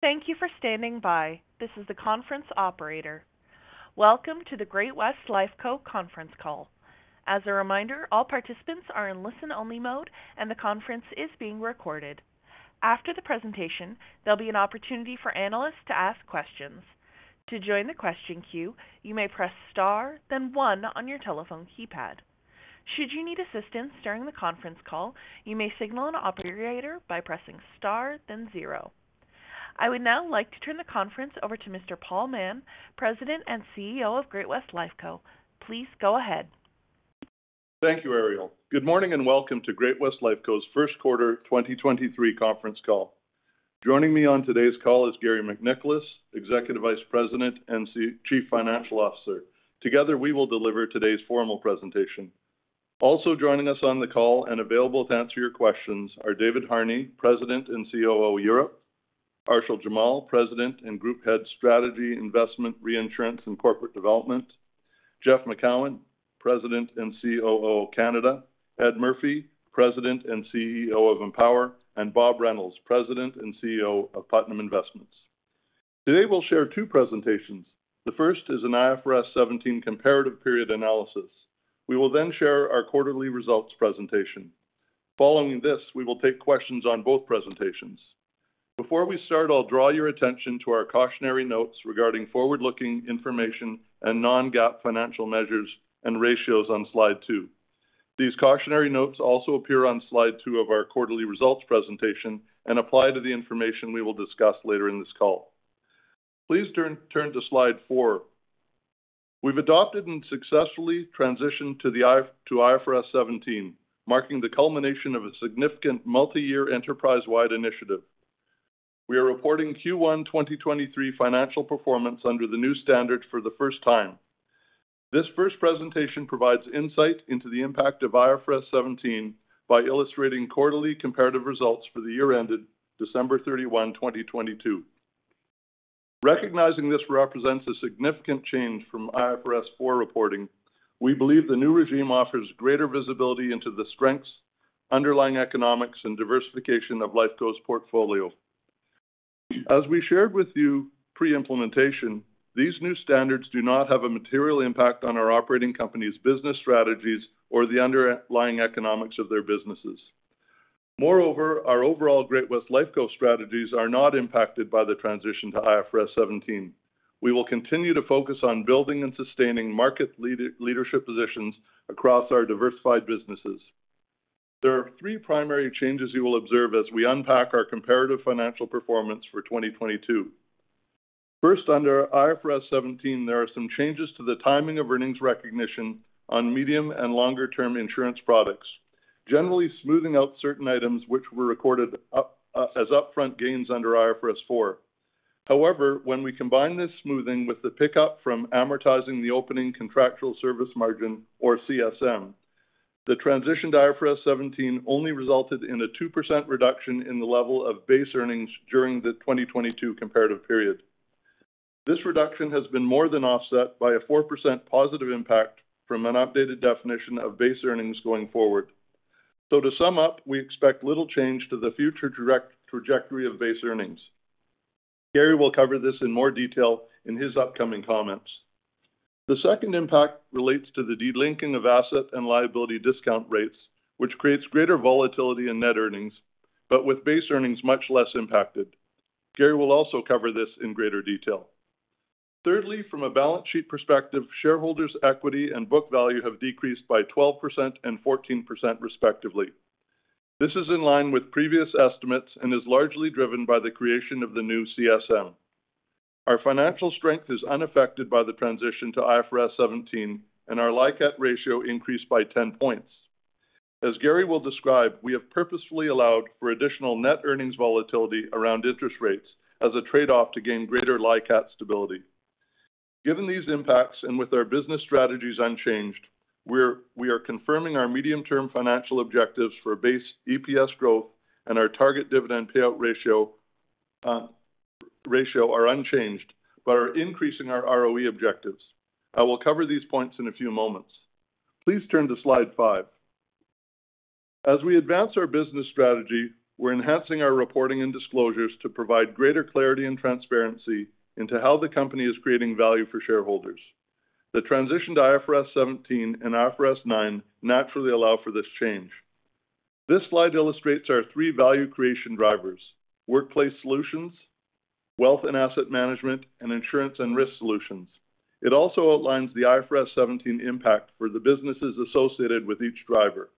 Thank you for standing by. This is the conference Operator. Welcome to the Great-West Lifeco conference call. As a reminder, all participants are in listen-only mode, and the conference is being recorded. After the presentation, there'll be an opportunity for analysts to ask questions. To join the question queue, you may press star, then one on your telephone keypad. Should you need assistance during the conference call, you may signal an Operator by pressing star, then zero. I would now like to turn the conference over to Mr. Paul Mahon, President and CEO of Great-West Lifeco. Please go ahead. Thank you, Ariel. Good morning, and welcome to Great-West Lifeco's first quarter 2023 conference call. Joining me on today's call is Garry MacNicholas, Executive Vice President and Chief Financial Officer. Together, we will deliver today's formal presentation. Also joining us on the call and available to answer your questions are David Harney, President and COO, Europe; Arshil Jamal, President and Group Head, Strategy, Investment, Reinsurance, and Corporate Development; Jeff Macoun, President and COO, Canada; Ed Murphy, President and CEO of Empower; and Bob Reynolds, President and CEO of Putnam Investments. Today, we'll share two presentations. The first is an IFRS 17 comparative period analysis. We will then share our quarterly results presentation. Following this, we will take questions on both presentations. Before we start, I'll draw your attention to our cautionary notes regarding forward-looking information and Non-GAAP financial measures and ratios on slide two. These cautionary notes also appear on slide two of our quarterly results presentation and apply to the information we will discuss later in this call. Please turn to slide four. We've adopted and successfully transitioned to IFRS 17, marking the culmination of a significant multi-year enterprise-wide initiative. We are reporting Q1 2023 financial performance under the new standard for the first time. This first presentation provides insight into the impact of IFRS 17 by illustrating quarterly comparative results for the year ended December 31, 2022. Recognizing this represents a significant change from IFRS 4 reporting, we believe the new regime offers greater visibility into the strengths, underlying economics, and diversification of Lifeco's portfolio. As we shared with you pre-implementation, these new standards do not have a material impact on our operating company's business strategies or the underlying economics of their businesses. Moreover, our overall Great-West Lifeco strategies are not impacted by the transition to IFRS 17. We will continue to focus on building and sustaining market leadership positions across our diversified businesses. There are three primary changes you will observe as we unpack our comparative financial performance for 2022. First, under IFRS 17, there are some changes to the timing of earnings recognition on medium and longer-term insurance products, generally smoothing out certain items which were recorded as upfront gains under IFRS 4. However, when we combine this smoothing with the pickup from amortizing the opening contractual service margin or CSM, the transition to IFRS 17 only resulted in a 2% reduction in the level of base earnings during the 2022 comparative period. This reduction has been more than offset by a 4% positive impact from an updated definition of base earnings going forward. To sum up, we expect little change to the future direct trajectory of base earnings. Garry will cover this in more detail in his upcoming comments. The second impact relates to the delinking of asset and liability discount rates, which creates greater volatility in net earnings, but with base earnings much less impacted. Garry will also cover this in greater detail. Thirdly, from a balance sheet perspective, Shareholders equity and book value have decreased by 12% and 14%, respectively. This is in line with previous estimates and is largely driven by the creation of the new CSM. Our financial strength is unaffected by the transition to IFRS 17, and our LICAT ratio increased by 10 points. As Garry will describe, we have purposefully allowed for additional net earnings volatility around interest rates as a trade-off to gain greater LICAT stability. Given these impacts and with our business strategies unchanged, we are confirming our medium-term financial objectives for base EPS growth and our target dividend payout ratio are unchanged but are increasing our ROE objectives. I will cover these points in a few moments. Please turn to slide five. We're enhancing our reporting and disclosures to provide greater clarity and transparency into how the company is creating value for Shareholders. The transition to IFRS 17 and IFRS 9 naturally allow for this change. This slide illustrates our three value creation drivers: workplace solutions, wealth and asset management, and insurance and risk solutions. It also outlines the IFRS 17 impact for the businesses associated with each driver.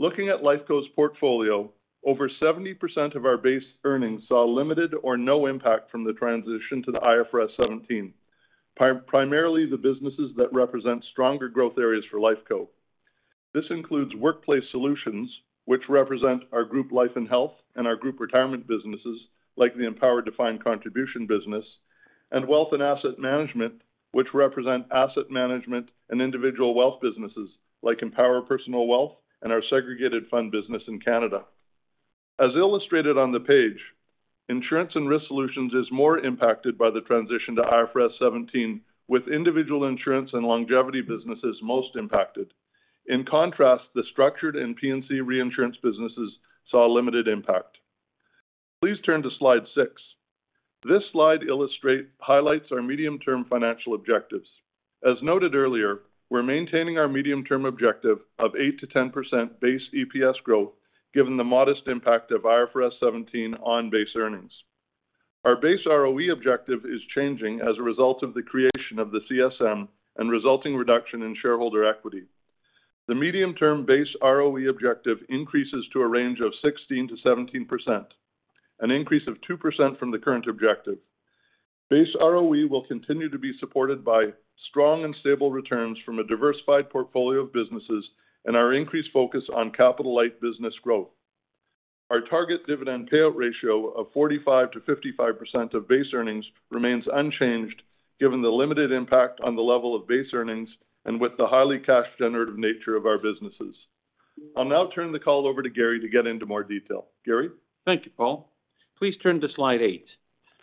Looking at Lifeco's portfolio, over 70% of our base earnings saw limited or no impact from the transition to the IFRS 17. Primarily, the businesses that represent stronger growth areas for Lifeco. This includes workplace solutions, which represent our group life and health and our group retirement businesses like the Empower Defined Contribution business, and wealth and asset management, which represent asset management and individual wealth businesses like Empower Personal Wealth and our segregated fund business in Canada. As illustrated on the page, insurance and risk solutions is more impacted by the transition to IFRS 17, with individual insurance and longevity businesses most impacted. In contrast, the structured and P&C reinsurance businesses saw a limited impact. Please turn to slide 6. This slide highlights our medium-term financial objectives. As noted earlier, we're maintaining our medium-term objective of 8%-10% base EPS growth, given the modest impact of IFRS 17 on base earnings. Our base ROE objective is changing as a result of the creation of the CSM and resulting reduction in Shareholder equity. The medium-term base ROE objective increases to a range of 16%-17%, an increase of 2% from the current objective. Base ROE will continue to be supported by strong and stable returns from a diversified portfolio of businesses and our increased focus on capital light business growth. Our target dividend payout ratio of 45%-55% of base earnings remains unchanged given the limited impact on the level of base earnings and with the highly cash generative nature of our businesses. I'll now turn the call over to Garry to get into more detail. Garry? Thank you, Paul. Please turn to slide 8.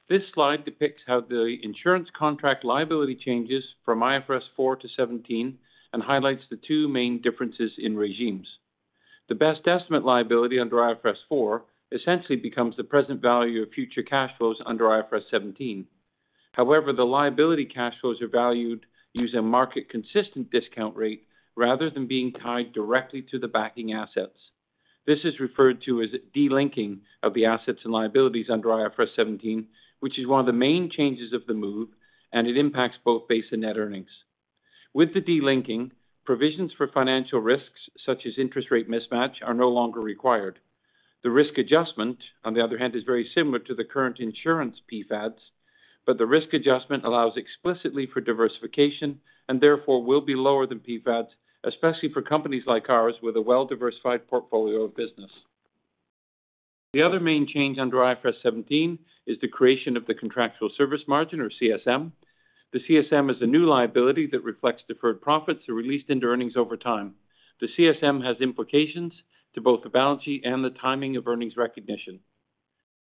This slide depicts how the insurance contract liability changes from IFRS 4 to 17 and highlights the two main differences in regimes. The best estimate liability under IFRS 4 essentially becomes the present value of future cash flows under IFRS 17. However, the liability cash flows are valued using market consistent discount rate rather than being tied directly to the backing assets. This is referred to as delinking of the assets and liabilities under IFRS 17, which is one of the main changes of the move, and it impacts both base and net earnings. With the delinking, provisions for financial risks such as interest rate mismatch are no longer required. The risk adjustment, on the other hand, is very similar to the current insurance PfADs, but the risk adjustment allows explicitly for diversification and therefore will be lower than PfADs, especially for companies like ours with a well-diversified portfolio of business. The other main change under IFRS 17 is the creation of the contractual service margin or CSM. The CSM is a new liability that reflects deferred profits are released into earnings over time. The CSM has implications to both the balance sheet and the timing of earnings recognition.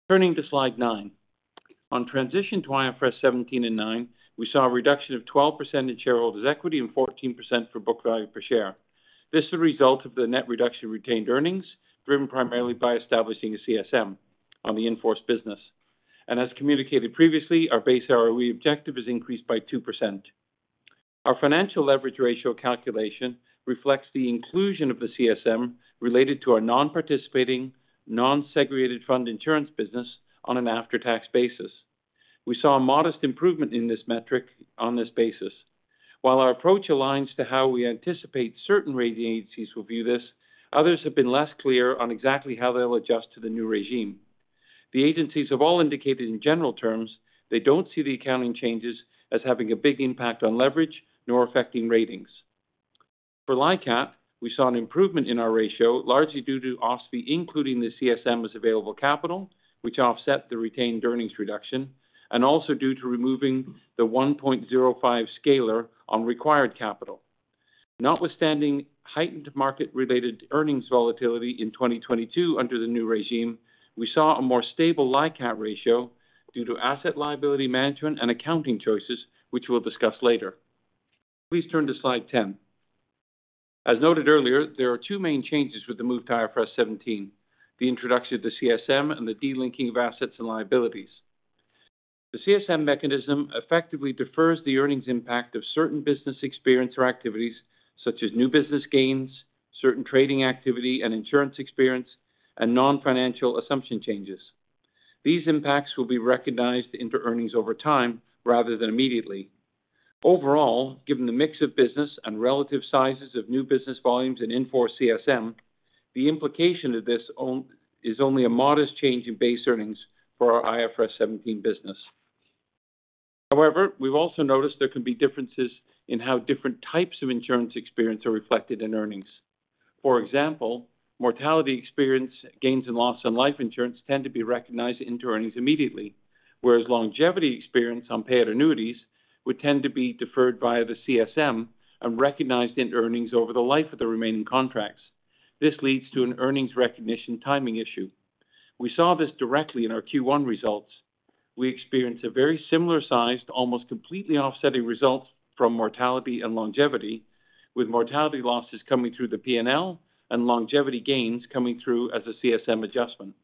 Turning to slide nine. On transition to IFRS 17 and 9, we saw a reduction of 12% in Shareholders equity and 14% for book value per share. This is a result of the net reduction in retained earnings, driven primarily by establishing a CSM on the in-force business. As communicated previously, our base ROE objective is increased by 2%. Our financial leverage ratio calculation reflects the inclusion of the CSM related to our Non-participating, Non-segregated fund insurance business on an after-tax basis. We saw a modest improvement in this metric on this basis. While our approach aligns to how we anticipate certain rating agencies will view this, others have been less clear on exactly how they will adjust to the new regime. The agencies have all indicated in general terms, they don't see the accounting changes as having a big impact on leverage nor affecting ratings. For LICAT, we saw an improvement in our ratio, largely due to OSFI including the CSM as available capital, which offset the retained earnings reduction, and also due to removing the 1.05 scaler on required capital. Notwithstanding heightened market related earnings volatility in 2022 under the new regime, we saw a more stable LICAT ratio due to asset liability management and accounting choices, which we'll discuss later. Please turn to slide 10. As noted earlier, there are two main changes with the move to IFRS 17, the introduction of the CSM and the delinking of assets and liabilities. The CSM mechanism effectively defers the earnings impact of certain business experience or activities such as new business gains, certain trading activity and insurance experience, and non-financial assumption changes. These impacts will be recognized into earnings over time rather than immediately. Overall, given the mix of business and relative sizes of new business volumes in in-force CSM, the implication of this is only a modest change in base earnings for our IFRS 17 business. We've also noticed there can be differences in how different types of insurance experience are reflected in earnings. For example, mortality experience gains and loss on life insurance tend to be recognized into earnings immediately, whereas longevity experience on paid annuities would tend to be deferred via the CSM and recognized into earnings over the life of the remaining contracts. This leads to an earnings recognition timing issue. We saw this directly in our Q1 results. We experienced a very similar size to almost completely offsetting results from mortality and longevity, with mortality losses coming through the P&L and longevity gains coming through as a CSM adjustment.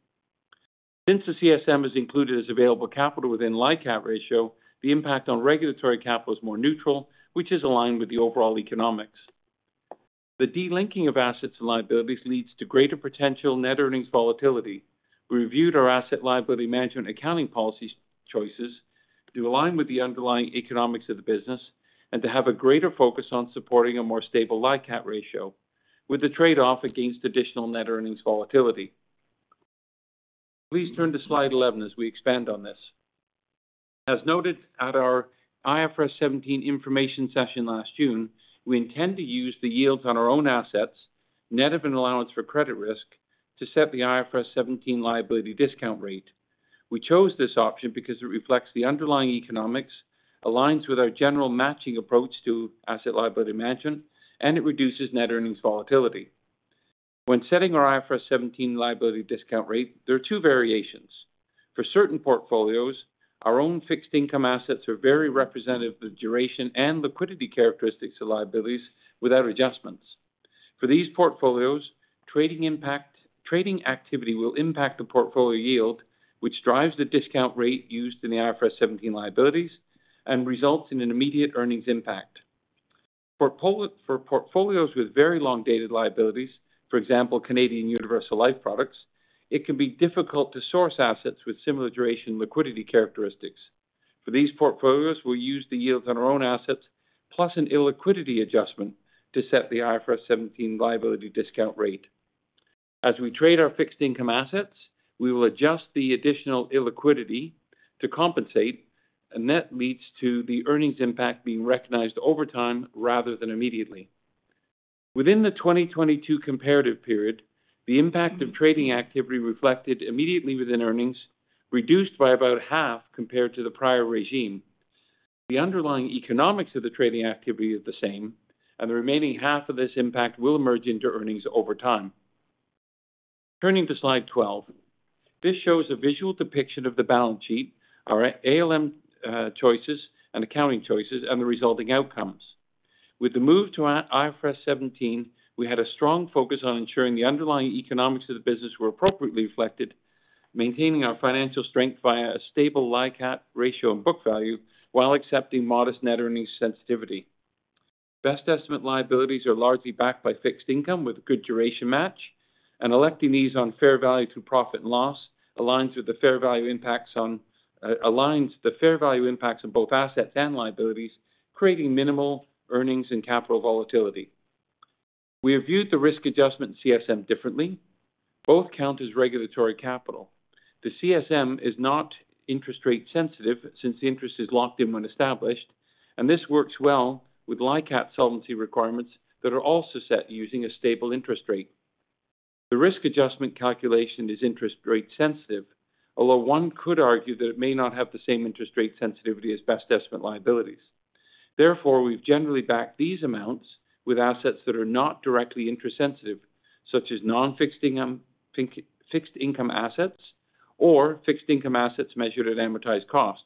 Since the CSM is included as available capital within LICAT ratio, the impact on regulatory capital is more neutral, which is aligned with the overall economics. The delinking of assets and liabilities leads to greater potential net earnings volatility. We reviewed our asset liability management accounting policy choices to align with the underlying economics of the business and to have a greater focus on supporting a more stable LICAT ratio with the trade-off against additional net earnings volatility. Please turn to slide 11 as we expand on this. As noted at our IFRS 17 information session last June, we intend to use the yields on our own assets, net of an allowance for credit risk, to set the IFRS 17 liability discount rate. We chose this option because it reflects the underlying economics, aligns with our general matching approach to asset liability management, and it reduces net earnings volatility. When setting our IFRS 17 liability discount rate, there are two variations. For certain portfolios, our own fixed income assets are very representative of the duration and liquidity characteristics of liabilities without adjustments. For these portfolios, trading activity will impact the portfolio yield, which drives the discount rate used in the IFRS 17 liabilities and results in an immediate earnings impact. For portfolios with very long dated liabilities, for example, Canadian Universal Life products, it can be difficult to source assets with similar duration liquidity characteristics. For these portfolios, we use the yields on our own assets plus an illiquidity adjustment to set the IFRS 17 liability discount rate. That leads to the earnings impact being recognized over time rather than immediately. Within the 2022 comparative period, the impact of trading activity reflected immediately within earnings reduced by about half compared to the prior regime. The underlying economics of the trading activity is the same. The remaining half of this impact will emerge into earnings over time. Turning to slide 12. This shows a visual depiction of the balance sheet, our ALM choices and accounting choices, and the resulting outcomes. With the move to IFRS 17, we had a strong focus on ensuring the underlying economics of the business were appropriately reflected, maintaining our financial strength via a stable LICAT ratio and book value while accepting modest net earnings sensitivity. Best estimate liabilities are largely backed by fixed income with good duration match, and electing these on fair value through profit or loss aligns with the fair value impacts on both assets and liabilities, creating minimal earnings and capital volatility. We have viewed the risk adjustment CSM differently. Both count as regulatory capital. The CSM is not interest rate sensitive since the interest is locked in when established. This works well with LICAT solvency requirements that are also set using a stable interest rate. The risk adjustment calculation is interest rate sensitive, although one could argue that it may not have the same interest rate sensitivity as best estimate liabilities. We've generally backed these amounts with assets that are not directly interest rate sensitive, such as Non-fixed income, fixed income assets or fixed income assets measured at amortized cost.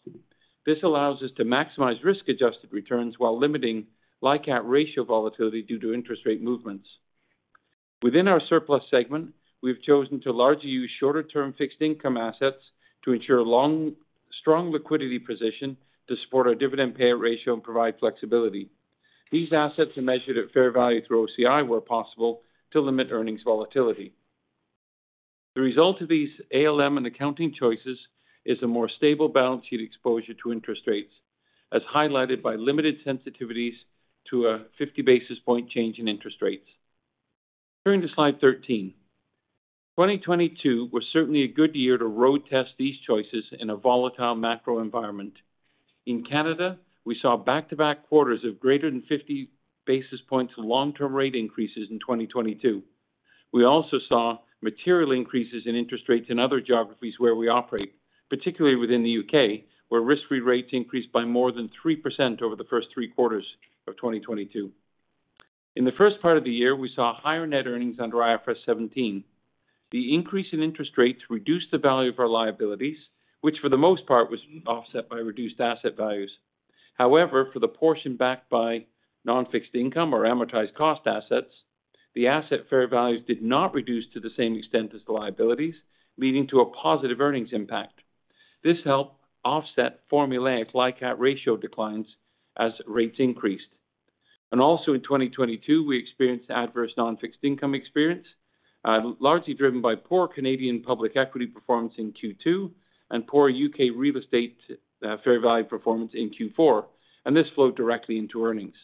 This allows us to maximize risk-adjusted returns while limiting LICAT ratio volatility due to interest rate movements. Within our surplus segment, we've chosen to largely use shorter-term fixed income assets to ensure strong liquidity position to support our dividend payout ratio and provide flexibility. These assets are measured at fair value through OCI, where possible, to limit earnings volatility. The result of these ALM and accounting choices is a more stable balance sheet exposure to interest rates, as highlighted by limited sensitivities to a 50 basis point change in interest rates. Turning to slide 13. 2022 was certainly a good year to road test these choices in a volatile macro environment. In Canada, we saw back-to-back quarters of greater than 50 basis points long-term rate increases in 2022. We also saw material increases in interest rates in other geographies where we operate, particularly within the U.K., where risk-free rates increased by more than 3% over the first 3 quarters of 2022. In the first part of the year, we saw higher net earnings under IFRS 17. The increase in interest rates reduced the value of our liabilities, which for the most part was offset by reduced asset values. However, for the portion backed by non-fixed income or amortized cost assets, the asset fair values did not reduce to the same extent as the liabilities, leading to a positive earnings impact. This helped offset formulaic LICAT ratio declines as rates increased. Also in 2022, we experienced adverse non-fixed income experience, largely driven by poor Canadian public equity performance in Q2 and poor U.K. real estate fair value performance in Q4, and this flowed directly into earnings.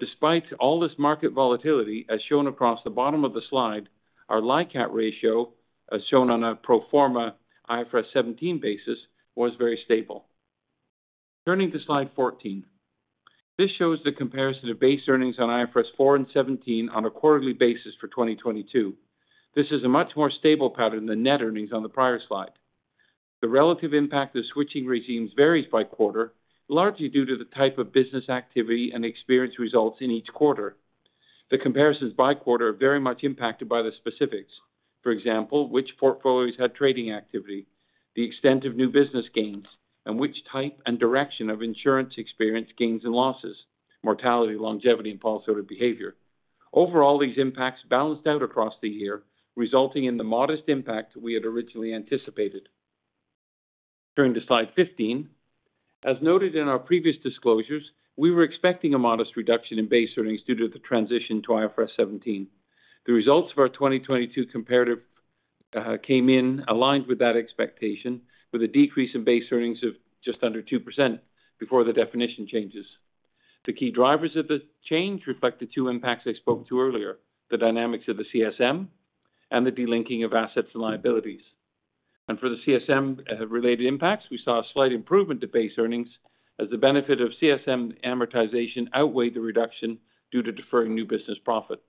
Despite all this market volatility, as shown across the bottom of the slide, our LICAT ratio, as shown on a pro forma IFRS 17 basis, was very stable. Turning to slide 14. This shows the comparison of base earnings on IFRS 4 and 17 on a quarterly basis for 2022. This is a much more stable pattern than net earnings on the prior slide. The relative impact of switching regimes varies by quarter, largely due to the type of business activity and experience results in each quarter. The comparisons by quarter are very much impacted by the specifics. For example, which portfolios had trading activity, the extent of new business gains, and which type and direction of insurance experience gains and losses, mortality, longevity, and policyholder behavior. Overall, these impacts balanced out across the year, resulting in the modest impact we had originally anticipated. Turning to slide 15. As noted in our previous disclosures, we were expecting a modest reduction in base earnings due to the transition to IFRS 17. The results of our 2022 comparative came in aligned with that expectation, with a decrease in base earnings of just under 2% before the definition changes. The key drivers of the change reflect the two impacts I spoke to earlier, the dynamics of the CSM and the delinking of assets and liabilities. For the CSM related impacts, we saw a slight improvement to base earnings as the benefit of CSM amortization outweighed the reduction due to deferring new business profit.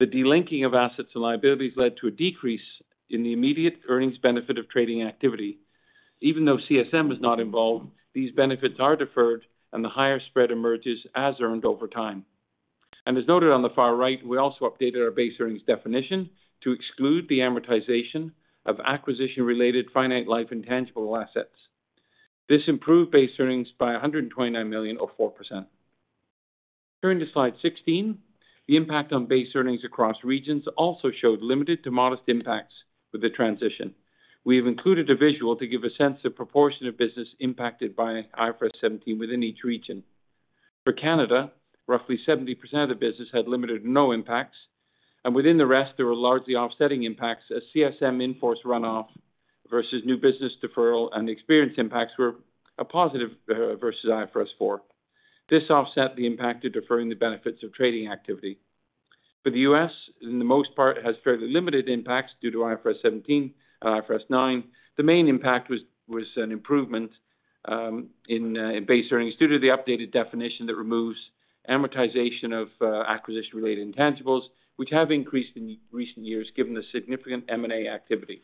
The delinking of assets and liabilities led to a decrease in the immediate earnings benefit of trading activity. Even though CSM is not involved, these benefits are deferred and the higher spread emerges as earned over time. As noted on the far right, we also updated our base earnings definition to exclude the amortization of acquisition related finite life intangible assets. This improved base earnings by 129 million or 4%. Turning to slide 16, the impact on base earnings across regions also showed limited to modest impacts with the transition. We have included a visual to give a sense of proportion of business impacted by IFRS 17 within each region. For Canada, roughly 70% of business had limited no impacts, and within the rest there were largely offsetting impacts as CSM in force runoff versus new business deferral and experience impacts were a positive versus IFRS 4. This offset the impact of deferring the benefits of trading activity. For the U.S., in the most part, has fairly limited impacts due to IFRS 17, IFRS 9. The main impact was an improvement in base earnings due to the updated definition that removes amortization of acquisition related intangibles which have increased in recent years given the significant M&A activity.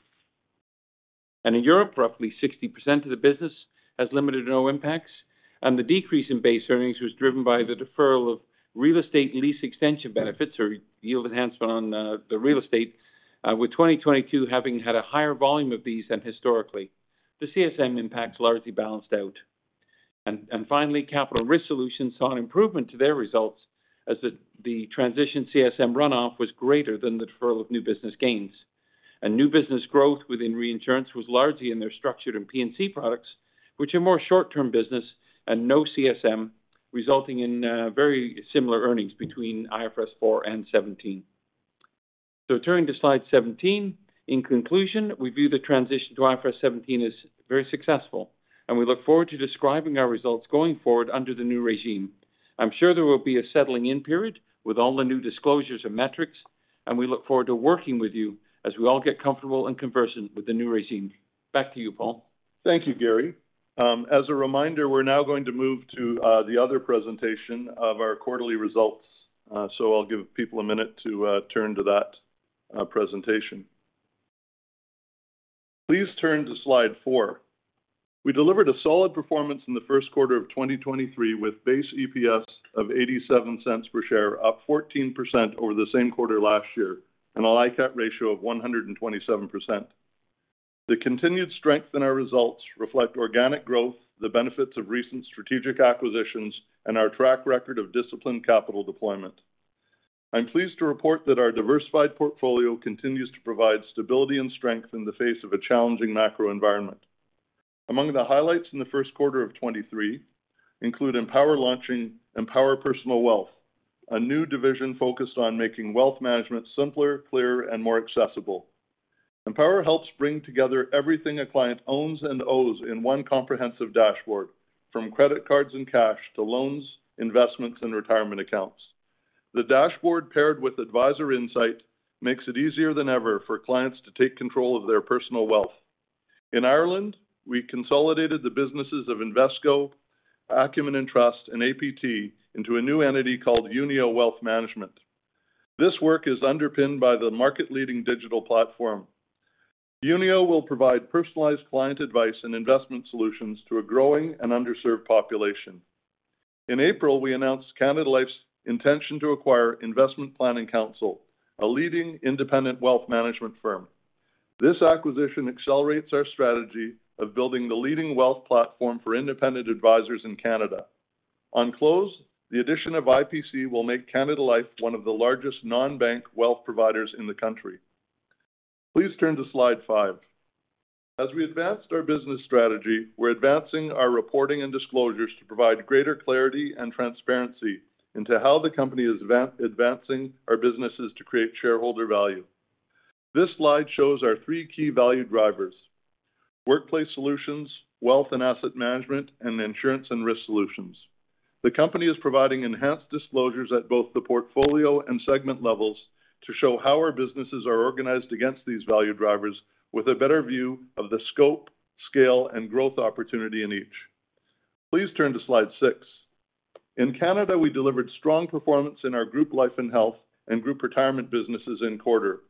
In Europe, roughly 60% of the business has limited no impacts, and the decrease in base earnings was driven by the deferral of real estate lease extension benefits or yield enhancement on the real estate, with 2022 having had a higher volume of these than historically. The CSM impacts largely balanced out. Finally, Capital Risk Solutions saw an improvement to their results as the transition CSM runoff was greater than the deferral of new business gains. New business growth within reinsurance was largely in their structured and P&C products, which are more short term business and no CSM, resulting in very similar earnings between IFRS 4 and 17. Turning to slide 17. In conclusion, we view the transition to IFRS 17 as very successful, and we look forward to describing our results going forward under the new regime. I'm sure there will be a settling in period with all the new disclosures and metrics. We look forward to working with you as we all get comfortable and conversant with the new regime. Back to you, Paul. Thank you, Garry. As a reminder, we're now going to move to the other presentation of our quarterly results, so I'll give people a minute to turn to that presentation. Please turn to slide four. We delivered a solid performance in the first quarter of 2023 with base EPS of 0.87 per share, up 14% over the same quarter last year, and a LICAT ratio of 127%. The continued strength in our results reflect organic growth, the benefits of recent strategic acquisitions, and our track record of disciplined capital deployment. I'm pleased to report that our diversified portfolio continues to provide stability and strength in the face of a challenging macro environment. Among the highlights in the first quarter of 2023 include Empower launching Empower Personal Wealth, a new division focused on making wealth management simpler, clearer, and more accessible. Empower helps bring together everything a client owns and owes in one comprehensive dashboard, from credit cards and cash to loans, investments, and retirement accounts. The dashboard, paired with Advisor Insights, makes it easier than ever for clients to take control of their personal wealth. In Ireland, we consolidated the businesses of Invesco, Acumen & Trust, and APT into a new entity called Unio Wealth Management. This work is underpinned by the market-leading digital platform. Unio will provide personalized client advice and investment solutions to a growing and underserved population. In April, we announced Canada Life's intention to acquire Investment Planning Counsel, a leading independent wealth management firm. This acquisition accelerates our strategy of building the leading wealth platform for independent advisors in Canada. On close, the addition of IPC will make Canada Life one of the largest non-bank wealth providers in the country. Please turn to slide five. As we advanced our business strategy, we're advancing our reporting and disclosures to provide greater clarity and transparency into how the company is advancing our businesses to create Shareholder value. This slide shows our three key value drivers: workplace solutions, wealth and asset management, and insurance and risk solutions. The company is providing enhanced disclosures at both the portfolio and segment levels to show how our businesses are organized against these value drivers with a better view of the scope, scale, and growth opportunity in each. Please turn to slide 6. In Canada, we delivered strong performance in our group life and health and group retirement businesses in quarter,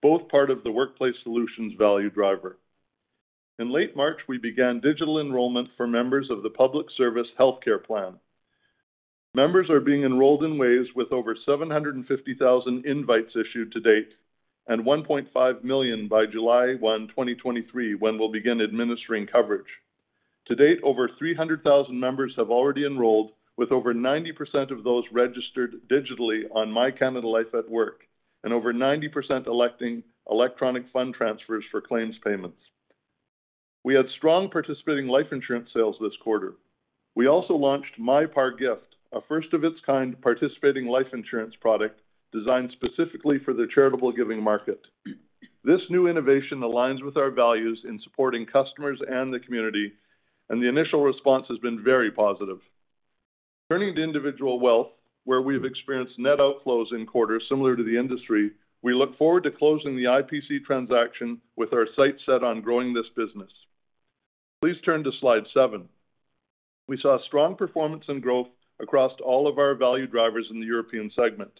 both part of the workplace solutions value driver. In late March, we began digital enrollment for members of the Public Service Health Care Plan. Members are being enrolled in waves with over 750,000 invites issued to date and 1.5 million by July 1, 2023, when we'll begin administering coverage. To date, over 300,000 members have already enrolled, with over 90% of those registered digitally on My Canada Life at Work and over 90% electing electronic fund transfers for claims payments. We had strong participating life insurance sales this quarter. We also launched My Par Gift, a first of its kind participating life insurance product designed specifically for the charitable giving market. This new innovation aligns with our values in supporting customers and the community, and the initial response has been very positive. Turning to individual wealth, where we've experienced net outflows in quarter similar to the industry, we look forward to closing the IPC transaction with our sights set on growing this business. Please turn to slide seven. We saw strong performance and growth across all of our value drivers in the European segment.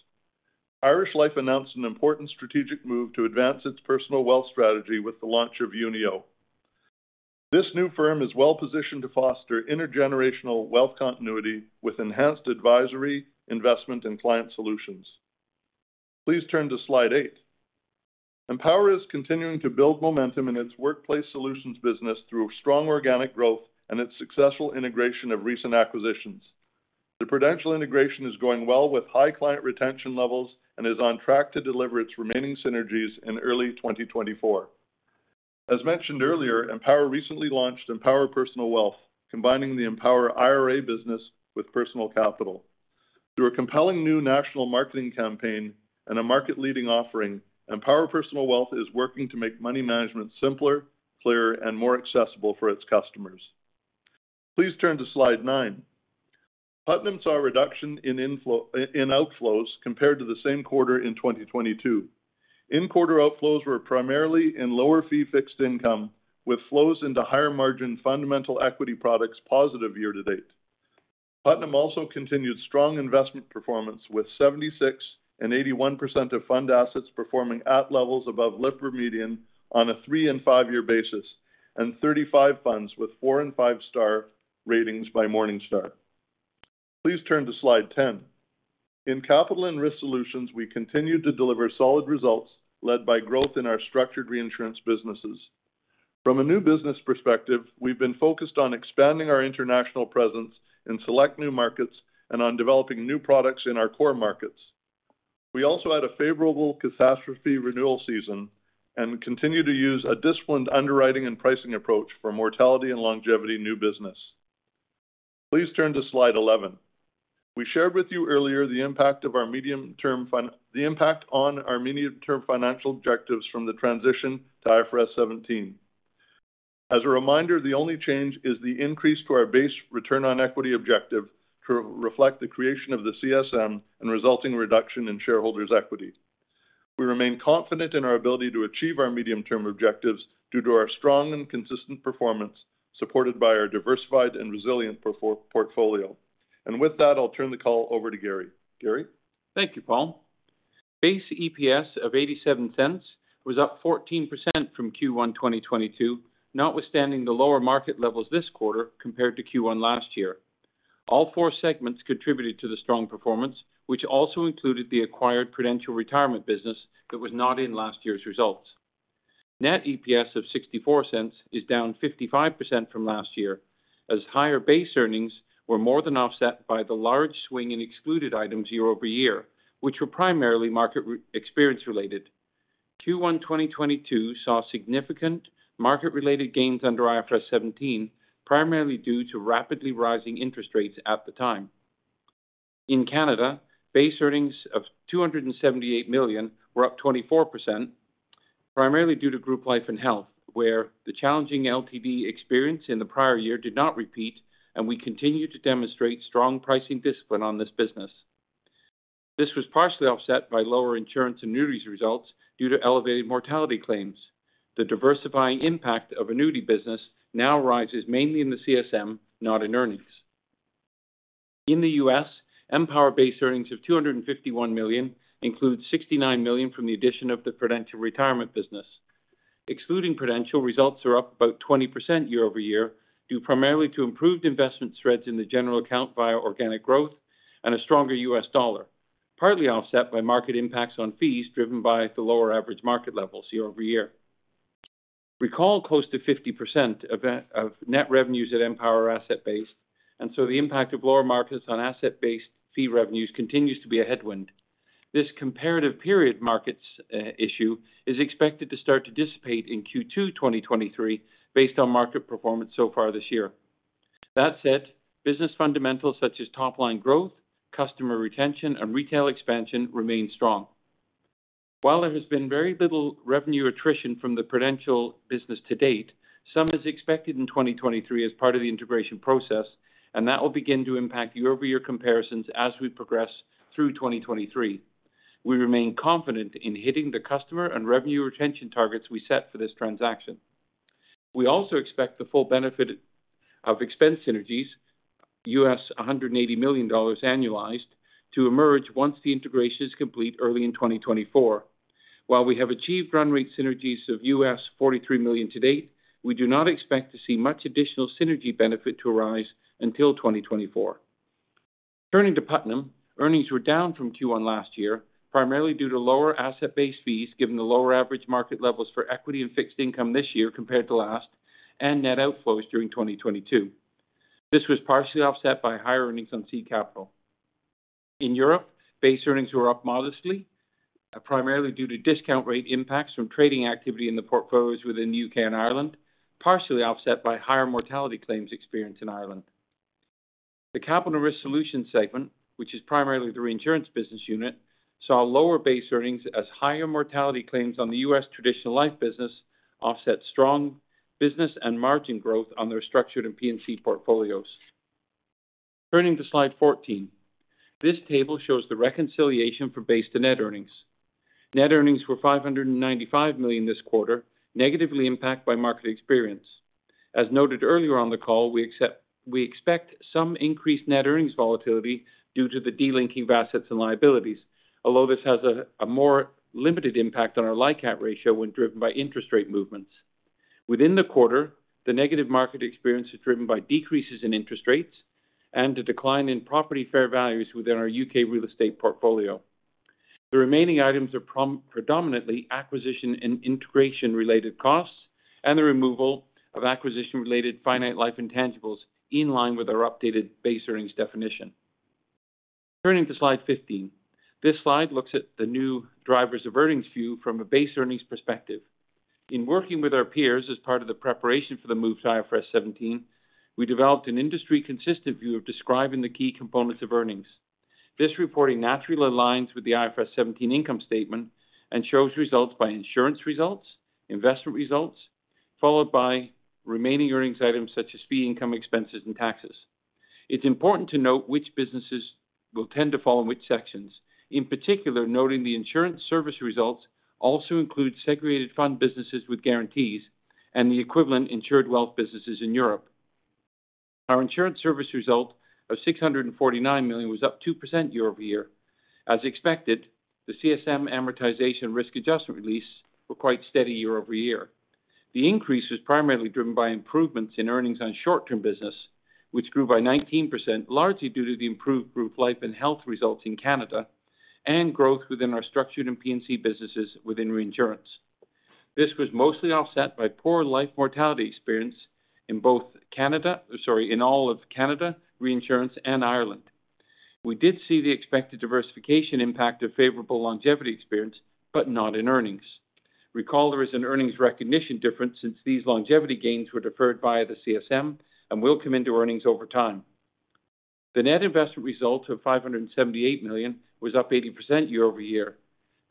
Irish Life announced an important strategic move to advance its personal wealth strategy with the launch of Unio. This new firm is well positioned to foster intergenerational wealth continuity with enhanced advisory, investment, and client solutions. Please turn to slide eight. Empower is continuing to build momentum in its workplace solutions business through strong organic growth and its successful integration of recent acquisitions. The Prudential integration is going well with high client retention levels and is on track to deliver its remaining synergies in early 2024. As mentioned earlier, Empower recently launched Empower Personal Wealth, combining the Empower IRA business with Personal Capital. Through a compelling new national marketing campaign and a market-leading offering, Empower Personal Wealth is working to make money management simpler, clearer, and more accessible for its customers. Please turn to slide nine. Putnam saw a reduction in outflows compared to the same quarter in 2022. In quarter outflows were primarily in lower fee fixed income, with flows into higher margin fundamental equity products positive year-to-date. Putnam also continued strong investment performance with 76% and 81% of fund assets performing at levels above Lipper median on a three and five year basis, and 35 funds with four and five star ratings by Morningstar. Please turn to slide 10. In Capital and Risk Solutions, we continued to deliver solid results led by growth in our structured reinsurance businesses. From a new business perspective, we've been focused on expanding our international presence in select new markets and on developing new products in our core markets. We also had a favorable catastrophe renewal season and continue to use a disciplined underwriting and pricing approach for mortality and longevity new business. Please turn to slide 11. We shared with you earlier the impact on our medium term financial objectives from the transition to IFRS 17. As a reminder, the only change is the increase to our base return on equity objective to reflect the creation of the CSM and resulting reduction in Shareholders' equity. We remain confident in our ability to achieve our medium-term objectives due to our strong and consistent performance supported by our diversified and resilient portfolio. With that, I'll turn the call over to Garry. Garry? Thank you, Paul. Base EPS of 0.87 was up 14% from Q1 2022, notwithstanding the lower market levels this quarter compared to Q1 last year. All four segments contributed to the strong performance, which also included the acquired Prudential retirement business that was not in last year's results. Net EPS of 0.64 is down 55% from last year, as higher base earnings were more than offset by the large swing in excluded items year-over-year, which were primarily market experience related. Q1 2022 saw significant market related gains under IFRS 17, primarily due to rapidly rising interest rates at the time. In Canada, base earnings of 278 million were up 24%, primarily due to group life and health, where the challenging LTD experience in the prior year did not repeat, and we continue to demonstrate strong pricing discipline on this business. This was partially offset by lower insurance and annuities results due to elevated mortality claims. The diversifying impact of annuity business now rises mainly in the CSM, not in earnings. In the U.S., Empower base earnings of $251 million includes $69 million from the addition of the Prudential retirement business. Excluding Prudential, results are up about 20% year-over-year due primarily to improved investment spreads in the general account via organic growth and a stronger U.S. dollar, partly offset by market impacts on fees driven by the lower average market levels year-over-year. Recall close to 50% of net revenues at Empower are asset based, the impact of lower markets on asset based fee revenues continues to be a headwind. This comparative period markets issue is expected to start to dissipate in Q2 2023 based on market performance so far this year. That said, business fundamentals such as top line growth, customer retention, and retail expansion remain strong. While there has been very little revenue attrition from the Prudential business to date, some is expected in 2023 as part of the integration process, that will begin to impact year-over-year comparisons as we progress through 2023. We remain confident in hitting the customer and revenue retention targets we set for this transaction. We also expect the full benefit of expense synergies, U.S. $180 million annualized, to emerge once the integration is complete early in 2024. While we have achieved run rate synergies of U.S. $43 million to date, we do not expect to see much additional synergy benefit to arise until 2024. Turning to Putnam, earnings were down from Q1 last year, primarily due to lower asset base fees, given the lower average market levels for equity and fixed income this year compared to last and net outflows during 2022. This was partially offset by higher earnings on seed capital. In Europe, base earnings were up modestly, primarily due to discount rate impacts from trading activity in the portfolios within U.K. and Ireland, partially offset by higher mortality claims experience in Ireland. The Capital and Risk Solutions segment, which is primarily the reinsurance business unit, saw lower base earnings as higher mortality claims on the U.S. traditional life business offset strong business and margin growth on their structured and P&C portfolios. Turning to slide 14. This table shows the reconciliation for base to net earnings. Net earnings were $595 million this quarter, negatively impacted by market experience. As noted earlier on the call, we expect some increased net earnings volatility due to the delinking of assets and liabilities. Although this has a more limited impact on our LICAT ratio when driven by interest rate movements. Within the quarter, the negative market experience is driven by decreases in interest rates and a decline in property fair values within our U.K. real estate portfolio. The remaining items are predominantly acquisition and integration related costs and the removal of acquisition related finite life intangibles in line with our updated base earnings definition. Turning to slide 15. This slide looks at the new Drivers of Earnings view from a base earnings perspective. In working with our peers as part of the preparation for the move to IFRS 17, we developed an industry consistent view of describing the key components of earnings. This reporting naturally aligns with the IFRS 17 income statement and shows results by insurance results, investment results, followed by remaining earnings items such as fee income expenses and taxes. It's important to note which businesses will tend to fall in which sections, in particular, noting the insurance service results also include segregated fund businesses with guarantees and the equivalent insured wealth businesses in Europe. Our insurance service result of 649 million was up 2% year-over-year. As expected, the CSM amortization risk adjustment release were quite steady year-over-year. The increase was primarily driven by improvements in earnings on short-term business, which grew by 19%, largely due to the improved group life and health results in Canada and growth within our structured and P&C businesses within reinsurance. This was mostly offset by poor life mortality experience in all of Canada, reinsurance and Ireland. We did see the expected diversification impact of favorable longevity experience, but not in earnings. Recall there is an earnings recognition difference since these longevity gains were deferred via the CSM and will come into earnings over time. The net investment result of 578 million was up 80% year-over-year.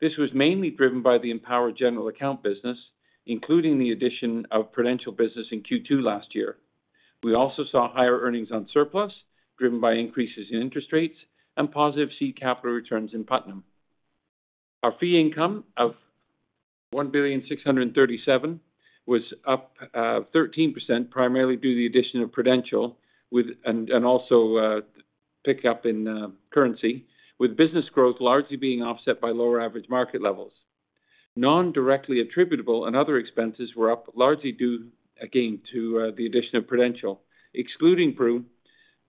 This was mainly driven by the Empower general account business, including the addition of Prudential Financial business in Q2 last year. We also saw higher earnings on surplus driven by increases in interest rates and positive seed capital returns in Putnam. Our fee income of $1.637 billion was up 13% primarily due to the addition of Prudential Financial and also pick up in currency, with business growth largely being offset by lower average market levels. Non-directly attributable and other expenses were up largely due again to the addition of Prudential Financial. Excluding Prudential Financial,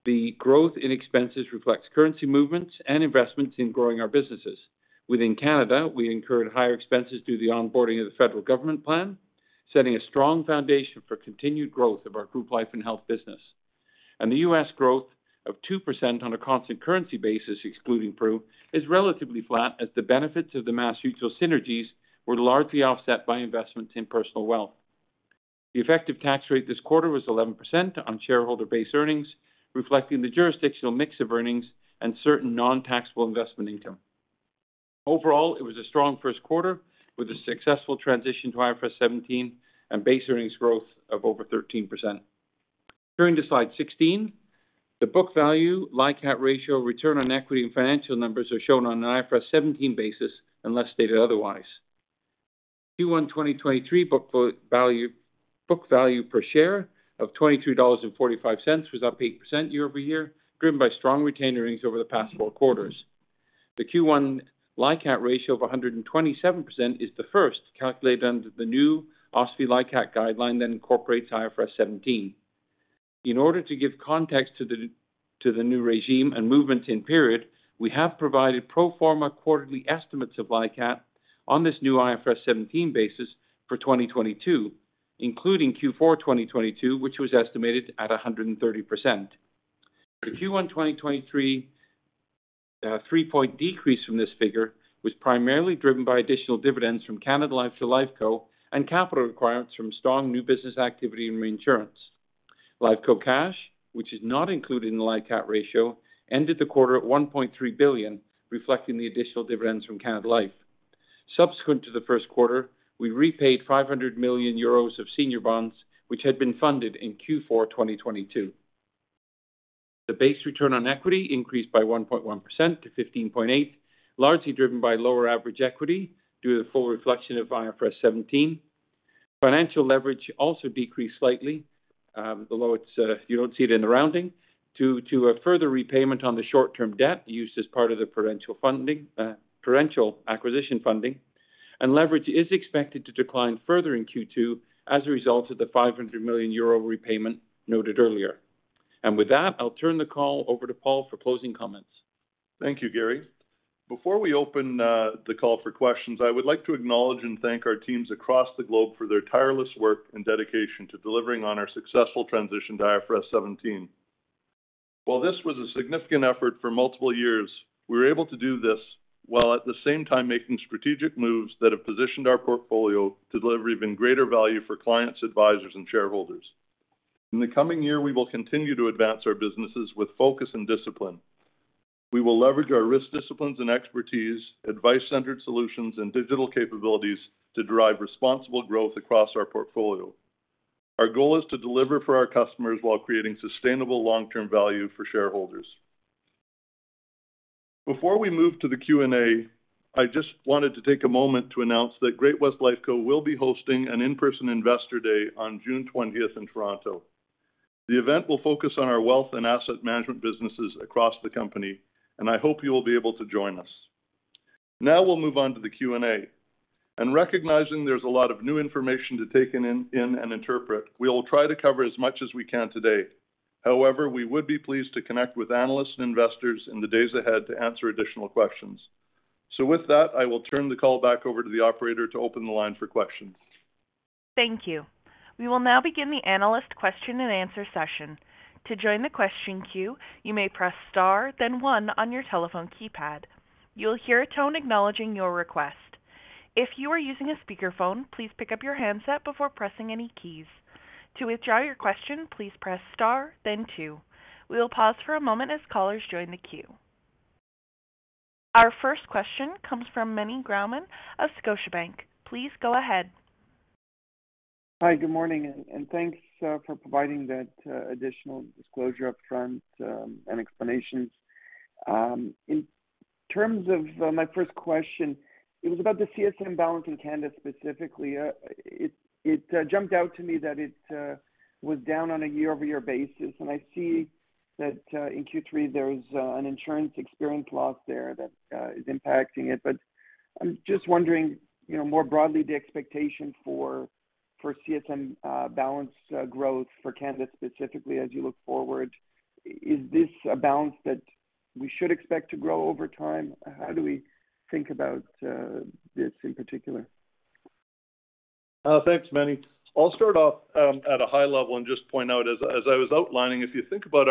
the growth in expenses reflects currency movements and investments in growing our businesses. Within Canada Life, we incurred higher expenses due to the onboarding of the Public Service Health Care Plan, setting a strong foundation for continued growth of our group life and health business. The U.S. growth of 2% on a constant currency basis, excluding Pru, is relatively flat as the benefits of the MassMutual synergies were largely offset by investments in personal wealth. The effective tax rate this quarter was 11% on Shareholder base earnings, reflecting the jurisdictional mix of earnings and certain non-taxable investment income. Overall, it was a strong first quarter with a successful transition to IFRS 17 and base earnings growth of over 13%. Turning to slide 16, the book value, LICAT ratio, return on equity and financial numbers are shown on an IFRS 17 basis, unless stated otherwise. Q1 2023 book value per share of 22.45 dollars was up 8% year-over-year, driven by strong retained earnings over the past four quarters. The Q1 LICAT ratio of 127% is the first calculated under the new OSFI LICAT guideline that incorporates IFRS 17. In order to give context to the new regime and movements in period, we have provided pro forma quarterly estimates of LICAT on this new IFRS 17 basis for 2022, including Q4 2022, which was estimated at 130%. The Q1 2023 3-point decrease from this figure was primarily driven by additional dividends from Canada Life to Lifeco and capital requirements from strong new business activity in reinsurance. Lifeco cash, which is not included in the LICAT ratio, ended the quarter at 1.3 billion, reflecting the additional dividends from Canada Life. Subsequent to the first quarter, we repaid 500 million euros of senior bonds, which had been funded in Q4 2022. The base return on equity increased by 1.1% to 15.8%, largely driven by lower average equity due to the full reflection of IFRS 17. Financial leverage also decreased slightly, although you don't see it in the rounding, to a further repayment on the short-term debt used as part of the Prudential funding, Prudential acquisition funding. Leverage is expected to decline further in Q2 as a result of the 500 million euro repayment noted earlier. With that, I'll turn the call over to Paul for closing comments. Thank you, Garry. Before we open the call for questions, I would like to acknowledge and thank our teams across the globe for their tireless work and dedication to delivering on our successful transition to IFRS 17. While this was a significant effort for multiple years, we were able to do this while at the same time making strategic moves that have positioned our portfolio to deliver even greater value for clients, advisors and Shareholders. In the coming year, we will continue to advance our businesses with focus and discipline. We will leverage our risk disciplines and expertise, advice-centered solutions, and digital capabilities to drive responsible growth across our portfolio. Our goal is to deliver for our customers while creating sustainable long-term value for Shareholders. Before we move to the Q&A, I just wanted to take a moment to announce that Great-West Lifeco will be hosting an in-person investor day on June 20th in Toronto. The event will focus on our wealth and asset management businesses across the company, and I hope you will be able to join us. Now we'll move on to the Q&A. Recognizing there's a lot of new information to take in and interpret, we will try to cover as much as we can today. However, we would be pleased to connect with analysts and investors in the days ahead to answer additional questions. With that, I will turn the call back over to the Operator to open the line for questions. Thank you. We will now begin the analyst question and answer session. To join the question queue, you may press star then one on your telephone keypad. You will hear a tone acknowledging your request. If you are using a speakerphone, please pick up your handset before pressing any keys. To withdraw your question, please press star then two. We will pause for a moment as callers join the queue. Our first question comes from Meny Grauman of Scotiabank. Please go ahead. Hi, good morning, and thanks for providing that additional disclosure up front and explanations. In terms of my first question, it was about the CSM balance in Canada specifically. It jumped out to me that it was down on a year-over-year basis. I see that in Q3, there is an insurance experience loss there that is impacting it. I'm just wondering, you know, more broadly, the expectation for CSM balance growth for Canada specifically as you look forward. Is this a balance that we should expect to grow over time? How do we think about this in particular? Thanks, Meny. I'll start off at a high level and just point out, as I was outlining, if you think about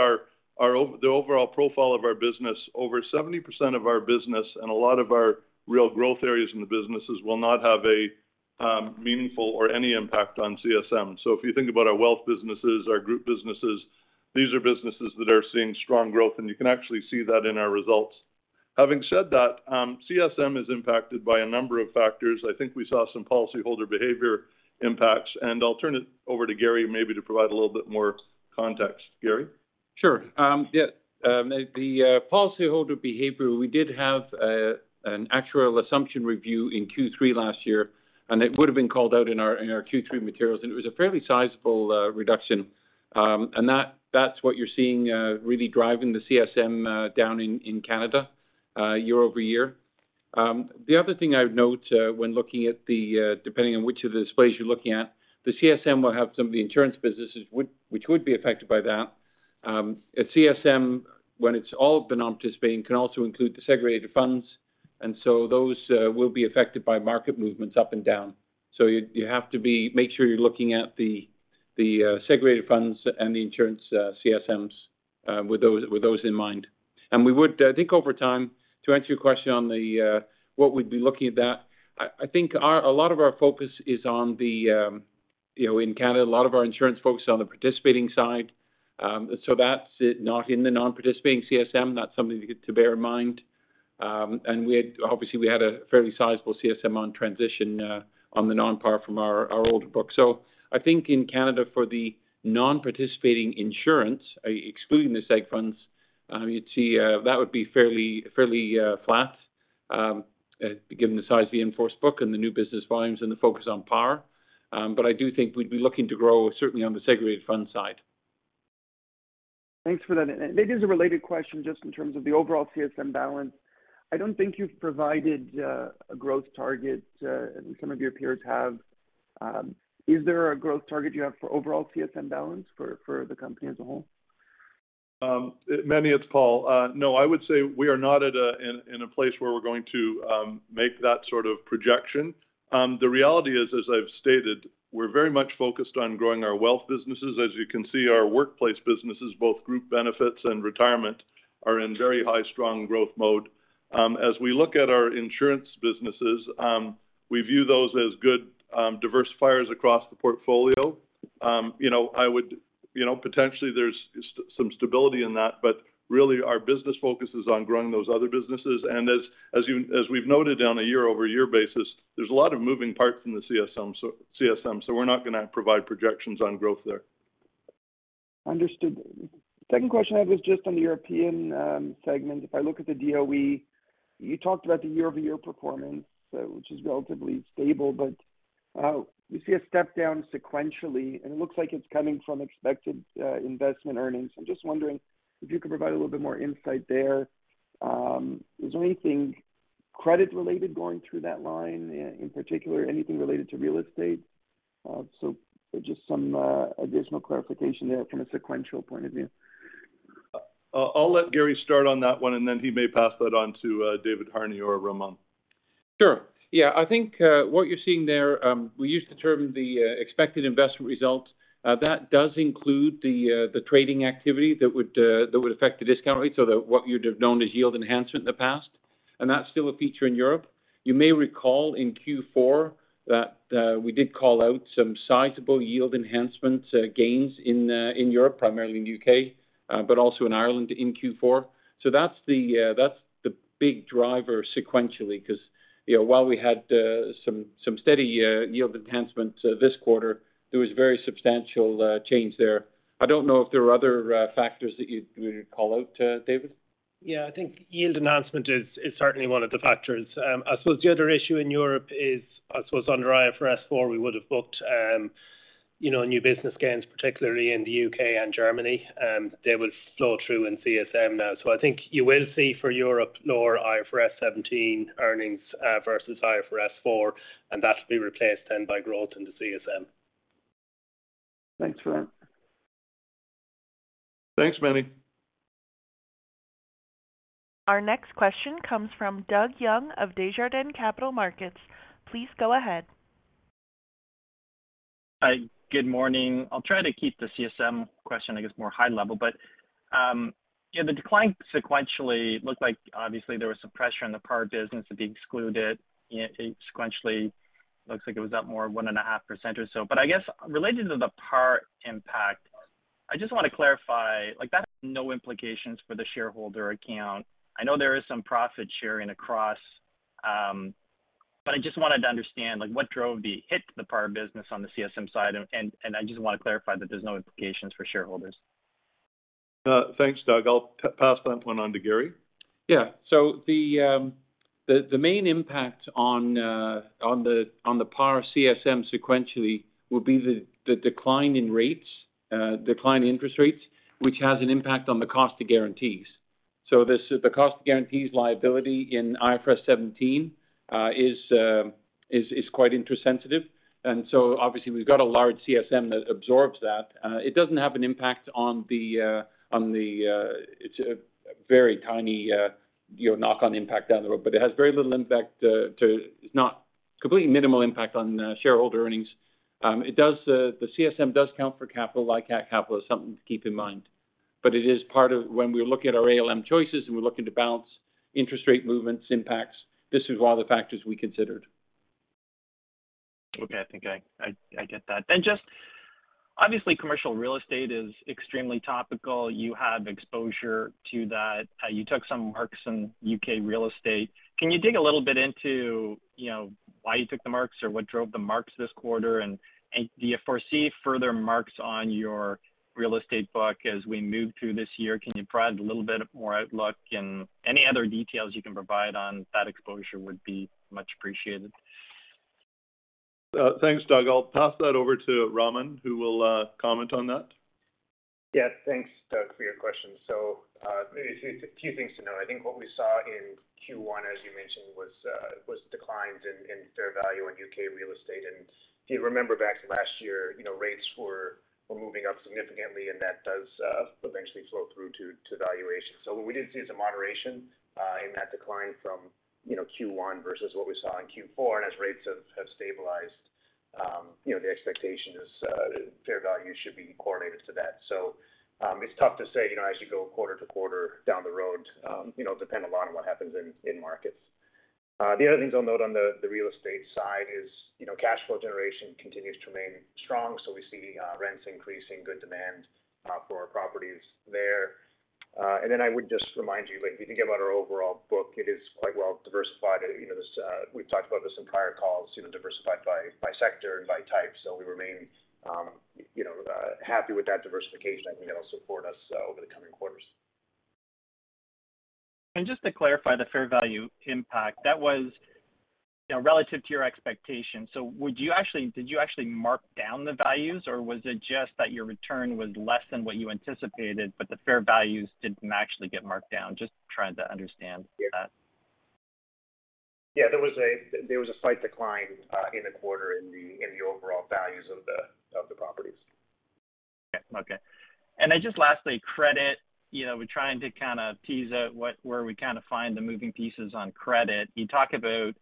the overall profile of our business, over 70% of our business and a lot of our real growth areas in the businesses will not have a meaningful or any impact on CSM. If you think about our wealth businesses, our group businesses, these are businesses that are seeing strong growth, and you can actually see that in our results. Having said that, CSM is impacted by a number of factors. I think we saw some policyholder behavior impacts, and I'll turn it over to Garry maybe to provide a little bit more context. Garry? The policyholder behavior, we did have an actual assumption review in Q3 last year, and it would have been called out in our Q3 materials, and it was a fairly sizable reduction. That's what you're seeing really driving the CSM down in Canada year-over-year. The other thing I would note when looking at the depending on which of the displays you're looking at, the CSM will have some of the insurance businesses which would be affected by that. At CSM, when it's all been participating, can also include the segregated funds, those will be affected by market movements up and down. You have to be make sure you're looking at the segregated funds and the insurance CSMs with those in mind. We would, I think over time, to answer your question on the what we'd be looking at, I think a lot of our focus is on the, you know, in Canada, a lot of our insurance focus is on the participating side. That's not in the non-participating CSM. That's something to bear in mind. Obviously, we had a fairly sizable CSM on transition on the non-par from our older book. I think in Canada, for the non-participating insurance, excluding the seg funds, you'd see that would be fairly flat, given the size of the in-force book and the new business volumes and the focus on par. I do think we'd be looking to grow certainly on the segregated fund side. Thanks for that. Maybe as a related question, just in terms of the overall CSM balance, I don't think you've provided a growth target, and some of your peers have. Is there a growth target you have for overall CSM balance for the company as a whole? Meny, it's Paul. No. I would say we are not in a place where we're going to make that sort of projection. The reality is, as I've stated, we're very much focused on growing our wealth businesses. As you can see, our workplace businesses, both group benefits and retirement, are in very high strong growth mode. As we look at our insurance businesses, we view those as good diversifiers across the portfolio. I would, you know, potentially there's some stability in that, but really our business focus is on growing those other businesses. As we've noted on a year-over-year basis, there's a lot of moving parts in the CSM, we're not gonna provide projections on growth there. Understood. Second question I had was just on the European segment. If I look at the DOE, you talked about the year-over-year performance, which is relatively stable. We see a step down sequentially, and it looks like it's coming from expected investment earnings. I'm just wondering if you could provide a little bit more insight there. Is there anything credit related going through that line in particular, anything related to real estate? Just some additional clarification there from a sequential point of view. I'll let Garry start on that one, and then he may pass that on to David Harney or Raman. Sure. Yeah. I think what you're seeing there, we use the term the Expected Investment Result. That does include the trading activity that would affect the discount rate, so the what you'd have known as Yield Enhancement in the past. That's still a feature in Europe. You may recall in Q4 that we did call out some sizable Yield Enhancement gains in Europe, primarily in U.K., but also in Ireland in Q4. That's the big driver sequentially, 'cause, you know, while we had some steady Yield Enhancement this quarter, there was very substantial change there. I don't know if there are other factors that you'd call out, David. Yeah. I think yield enhancement is certainly one of the factors. I suppose the other issue in Europe is, I suppose under IFRS 4, we would have booked, you know, new business gains, particularly in the U.K. and Germany, and they will flow through in CSM now. I think you will see for Europe, lower IFRS 17 earnings versus IFRS 4, and that'll be replaced then by growth in the CSM. Thanks for that. Thanks, Meny. Our next question comes from Doug Young of Desjardins Capital Markets. Please go ahead. Hi. Good morning. I'll try to keep the CSM question, I guess, more high level. Yeah, the decline sequentially looked like obviously there was some pressure in the par business to be excluded. It sequentially looks like it was up more 1.5% or so. I guess related to the par impact, I just want to clarify, like that has no implications for the Shareholder account. I know there is some profit sharing across, but I just wanted to understand like what drove the hit to the par business on the CSM side, and I just want to clarify that there's no implications for Shareholders. thanks, Doug. I'll pass that one on to Garry. Yeah. The main impact on the par CSM sequentially will be the decline in rates, decline in interest rates, which has an impact on the cost of guarantees. This is the cost of guarantees liability in IFRS 17 is quite interest rate sensitive. Obviously we've got a large CSM that absorbs that. It doesn't have an impact on the, it's a very tiny, you know, knock on impact down the road. It has very little impact, it's not completely minimal impact on Shareholder earnings. The CSM does count for capital, like at capital is something to keep in mind. It is part of when we look at our ALM choices and we're looking to balance interest rate movements, impacts, this is one of the factors we considered. Okay. I think I get that. Just obviously commercial real estate is extremely topical. You have exposure to that. You took some marks in U.K. real estate. Can you dig a little bit into, you know, why you took the marks or what drove the marks this quarter? Do you foresee further marks on your real estate book as we move through this year? Can you provide a little bit more outlook and any other details you can provide on that exposure would be much appreciated. Thanks, Doug. I'll pass that over to Raman, who will comment on that. Yeah. Thanks, Doug, for your question. A few things to note. I think what we saw in Q1, as you mentioned, was declines in fair value in U.K. real estate. If you remember back to last year, you know, rates were moving up significantly, and that does eventually flow through to valuation. What we did see is a moderation in that decline from, you know, Q1 versus what we saw in Q4. As rates have stabilized, you know, the expectation is fair value should be correlated to that. It's tough to say, you know, as you go quarter to quarter down the road, you know, depend a lot on what happens in markets. The other things I'll note on the real estate side is, you know, cash flow generation continues to remain strong. We see rents increasing, good demand for our properties there. I would just remind you, like, if you think about our overall book, it is quite well diversified. You know, this, we've talked about this in prior calls, you know, diversified by sector and by type. We remain, you know, happy with that diversification. I think that'll support us over the coming quarters. Just to clarify the fair value impact, that was, you know, relative to your expectations. Did you actually mark down the values, or was it just that your return was less than what you anticipated, but the fair values didn't actually get marked down? Just trying to understand that. Yeah. There was a slight decline in the quarter in the overall values of the properties. Okay. Just lastly, credit. You know, we're trying to kind of tease out where we kind of find the moving pieces on credit. You talk about,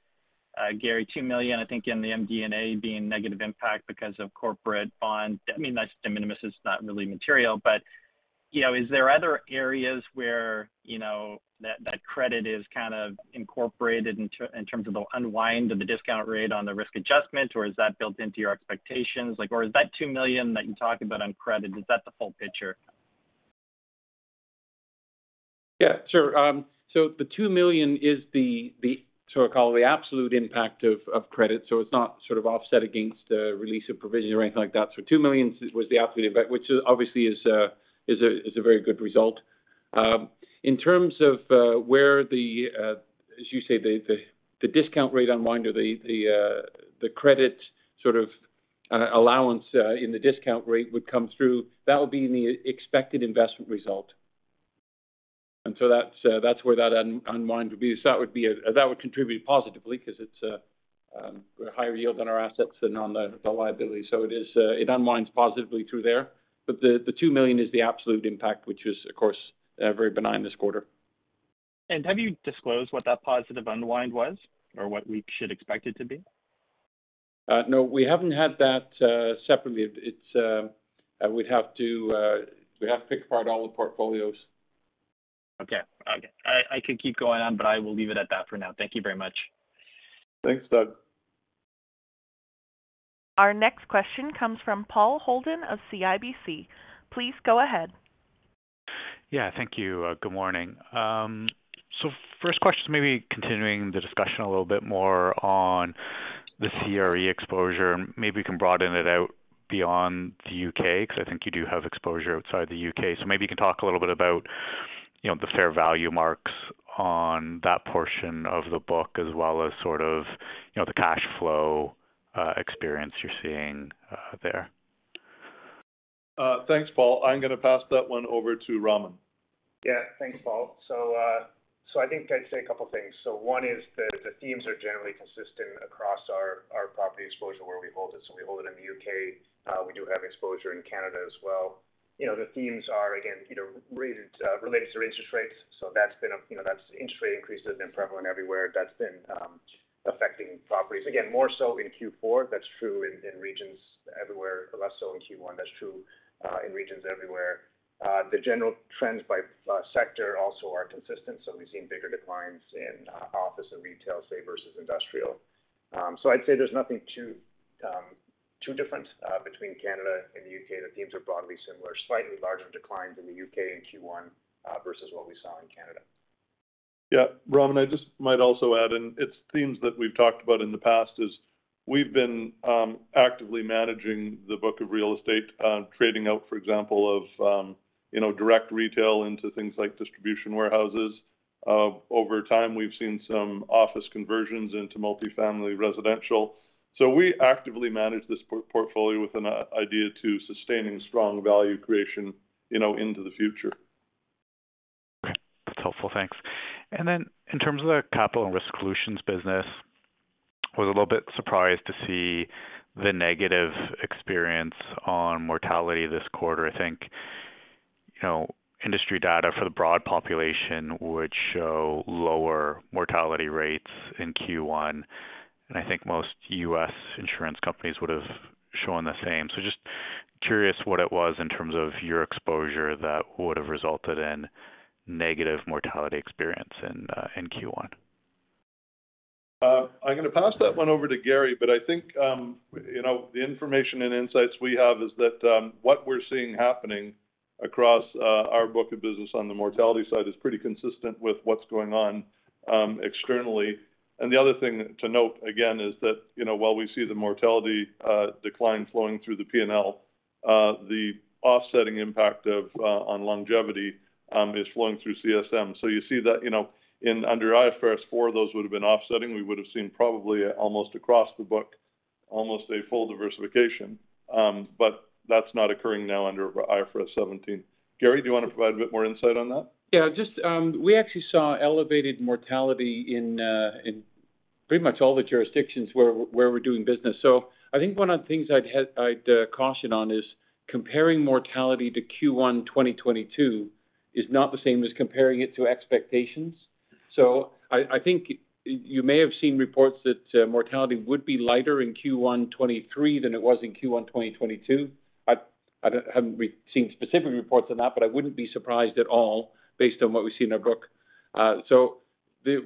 Garry, 2 million, I think in the MD&A being negative impact because of corporate bond. I mean, that's de minimis, it's not really material. You know, is there other areas where, you know, that credit is kind of incorporated in terms of the unwind of the discount rate on the risk adjustment, or is that built into your expectations? Like, or is that 2 million that you talked about on credit, is that the full picture? Yeah, sure. The 2 million is the, so I call the absolute impact of credit. It's not sort of offset against release of provision or anything like that. 2 million was the absolute impact, which obviously is a very good result. In terms of where the, as you say, the discount rate unwind or the credit sort of allowance in the discount rate would come through, that would be in the expected investment result. That's where that unwind would be. That would contribute positively because it's a higher yield on our assets than on the liability. It is, it unwinds positively through there. The 2 million is the absolute impact, which is of course, very benign this quarter. Have you disclosed what that positive unwind was or what we should expect it to be? No, we haven't had that separately. It's, we have to pick apart all the portfolios. Okay. Okay. I could keep going on, but I will leave it at that for now. Thank you very much. Thanks, Doug. Our next question comes from Paul Holden of CIBC. Please go ahead. Yeah, thank you. Good morning. First question is maybe continuing the discussion a little bit more on the CRE exposure. Maybe you can broaden it out beyond the U.K., 'cause I think you do have exposure outside the U.K.. Maybe you can talk a little bit about, you know, the fair value marks on that portion of the book, as well as sort of, you know, the cash flow, experience you're seeing, there. Thanks, Paul. I'm gonna pass that one over to Raman. Thanks, Paul. I think I'd say a couple things. One is the themes are generally consistent across our property exposure where we hold it. We hold it in the U.K. We do have exposure in Canada as well. You know, the themes are again, you know, related to interest rates. That's been a, you know, that's interest rate increase that's been prevalent everywhere that's been affecting properties. Again, more so in Q4, that's true in regions everywhere, but less so in Q1. That's true in regions everywhere. The general trends by sector also are consistent. We've seen bigger declines in office and retail, say, versus industrial. I'd say there's nothing too different between Canada and the U.K. The themes are broadly similar. Slightly larger declines in the U.K. in Q1, versus what we saw in Canada. Yeah, Raman, I just might also add in, it's themes that we've talked about in the past is we've been actively managing the book of real estate, trading out, for example, of, you know, direct retail into things like distribution warehouses. Over time, we've seen some office conversions into multifamily residential. We actively manage this portfolio with an idea to sustaining strong value creation, you know, into the future. Okay. That's helpful. Thanks. In terms of the Capital and Risk Solutions business, was a little bit surprised to see the negative experience on mortality this quarter. I think, you know, industry data for the broad population would show lower mortality rates in Q1, and I think most U.S. insurance companies would have shown the same. Just curious what it was in terms of your exposure that would have resulted in negative mortality experience in Q1. I'm gonna pass that one over to Garry, but I think, you know, the information and insights we have is that, what we're seeing happening across our book of business on the mortality side is pretty consistent with what's going on externally. The other thing to note, again, is that, you know, while we see the mortality decline flowing through the P&L, the offsetting impact of on longevity is flowing through CSM. You see that, you know, in under IFRS 4, those would have been offsetting. We would have seen probably almost across the book, almost a full diversification, but that's not occurring now under IFRS 17. Garry, do you want to provide a bit more insight on that? Just, we actually saw elevated mortality in pretty much all the jurisdictions where we're doing business. I think one of the things I'd caution on is comparing mortality to Q1 2022 is not the same as comparing it to expectations. I haven't seen specific reports on that, but I wouldn't be surprised at all based on what we see in our book.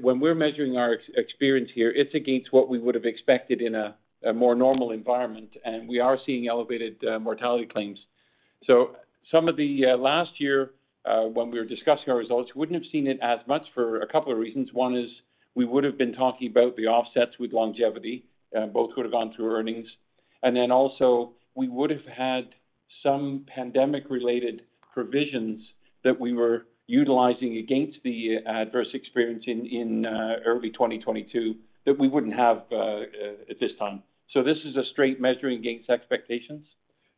When we're measuring our experience here, it's against what we would have expected in a more normal environment, and we are seeing elevated mortality claims. Some of the last year, when we were discussing our results, we wouldn't have seen it as much for a couple of reasons. One is we would have been talking about the offsets with longevity. Both would have gone through earnings. Also we would have had some pandemic related provisions that we were utilizing against the adverse experience in early 2022 that we wouldn't have at this time. This is a straight measuring against expectations.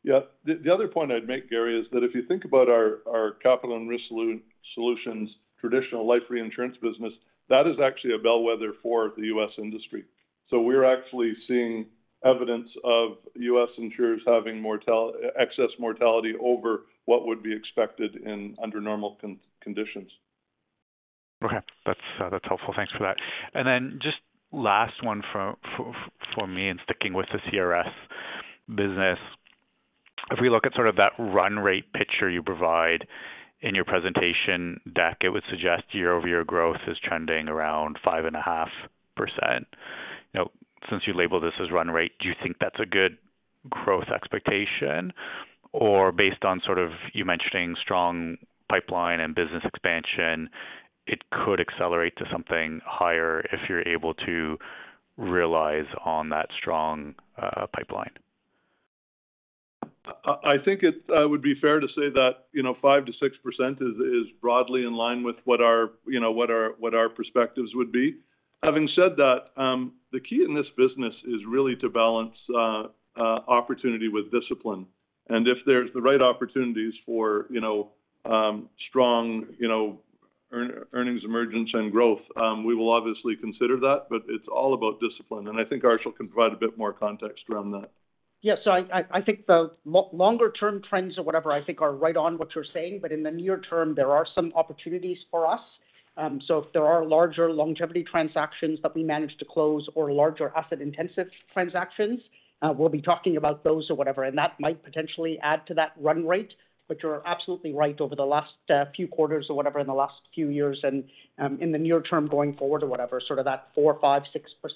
Yeah. The other point I'd make, Garry, is that if you think about our Capital and Risk Solutions traditional life reinsurance business, that is actually a bellwether for the U.S. industry. We're actually seeing evidence of U.S. insurers having excess mortality over what would be expected under normal conditions. Okay. That's helpful. Thanks for that. Then just last one for me in sticking with the CRS business. If we look at sort of that run rate picture you provide in your presentation deck, it would suggest year-over-year growth is trending around 5.5%. You know, since you label this as run rate, do you think that's a good growth expectation? Or based on sort of you mentioning strong pipeline and business expansion, it could accelerate to something higher if you're able to realize on that strong pipeline. I think it would be fair to say that, you know, 5%-6% is broadly in line with what our, you know, perspectives would be. Having said that, the key in this business is really to balance opportunity with discipline. If there's the right opportunities for, you know, strong, you know, earnings emergence and growth, we will obviously consider that, but it's all about discipline. I think Arshil can provide a bit more context around that. Yeah. I think the longer term trends or whatever I think are right on what you're saying. In the near term, there are some opportunities for us. If there are larger longevity transactions that we manage to close or larger asset intensive transactions, we'll be talking about those or whatever, and that might potentially add to that run rate. You're absolutely right over the last few quarters or whatever in the last few years and, in the near term going forward or whatever, sort of that 4%, 5%,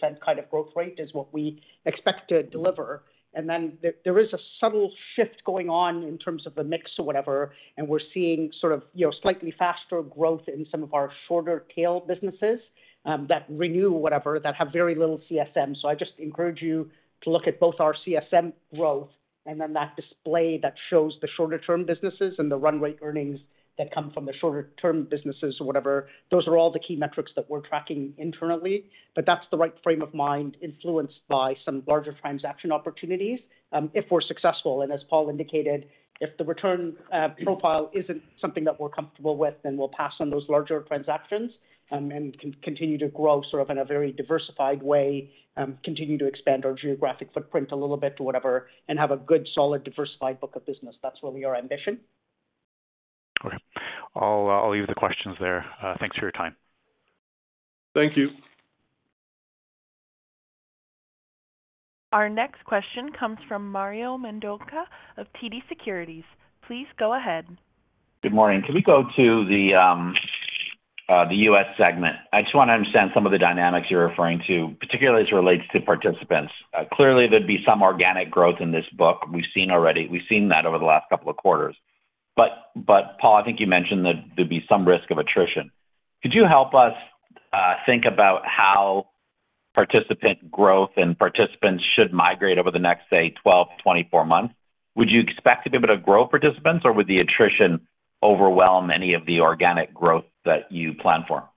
6% kind of growth rate is what we expect to deliver. Then there is a subtle shift going on in terms of the mix or whatever, and we're seeing sort of, you know, slightly faster growth in some of our shorter tail businesses, that renew whatever, that have very little CSM. I just encourage you to look at both our CSM growth and then that display that shows the shorter term businesses and the run rate earnings that come from the shorter term businesses or whatever. Those are all the key metrics that we're tracking internally. That's the right frame of mind influenced by some larger transaction opportunities, if we're successful. As Paul indicated, if the return profile isn't something that we're comfortable with, then we'll pass on those larger transactions, and continue to grow sort of in a very diversified way, continue to expand our geographic footprint a little bit or whatever, and have a good, solid diversified book of business. That's really our ambition. Okay. I'll leave the questions there. Thanks for your time. Thank you. Our next question comes from Mario Mendonca of TD Securities. Please go ahead. Good morning. Can we go to the U.S. segment? I just wanna understand some of the dynamics you're referring to, particularly as it relates to participants. Clearly, there'd be some organic growth in this book. We've seen already. We've seen that over the last couple of quarters. Paul, I think you mentioned that there'd be some risk of attrition. Could you help us think about how participant growth and participants should migrate over the next, say, 12 months-24 months? Would you expect to be able to grow participants, or would the attrition overwhelm any of the organic growth that you plan for?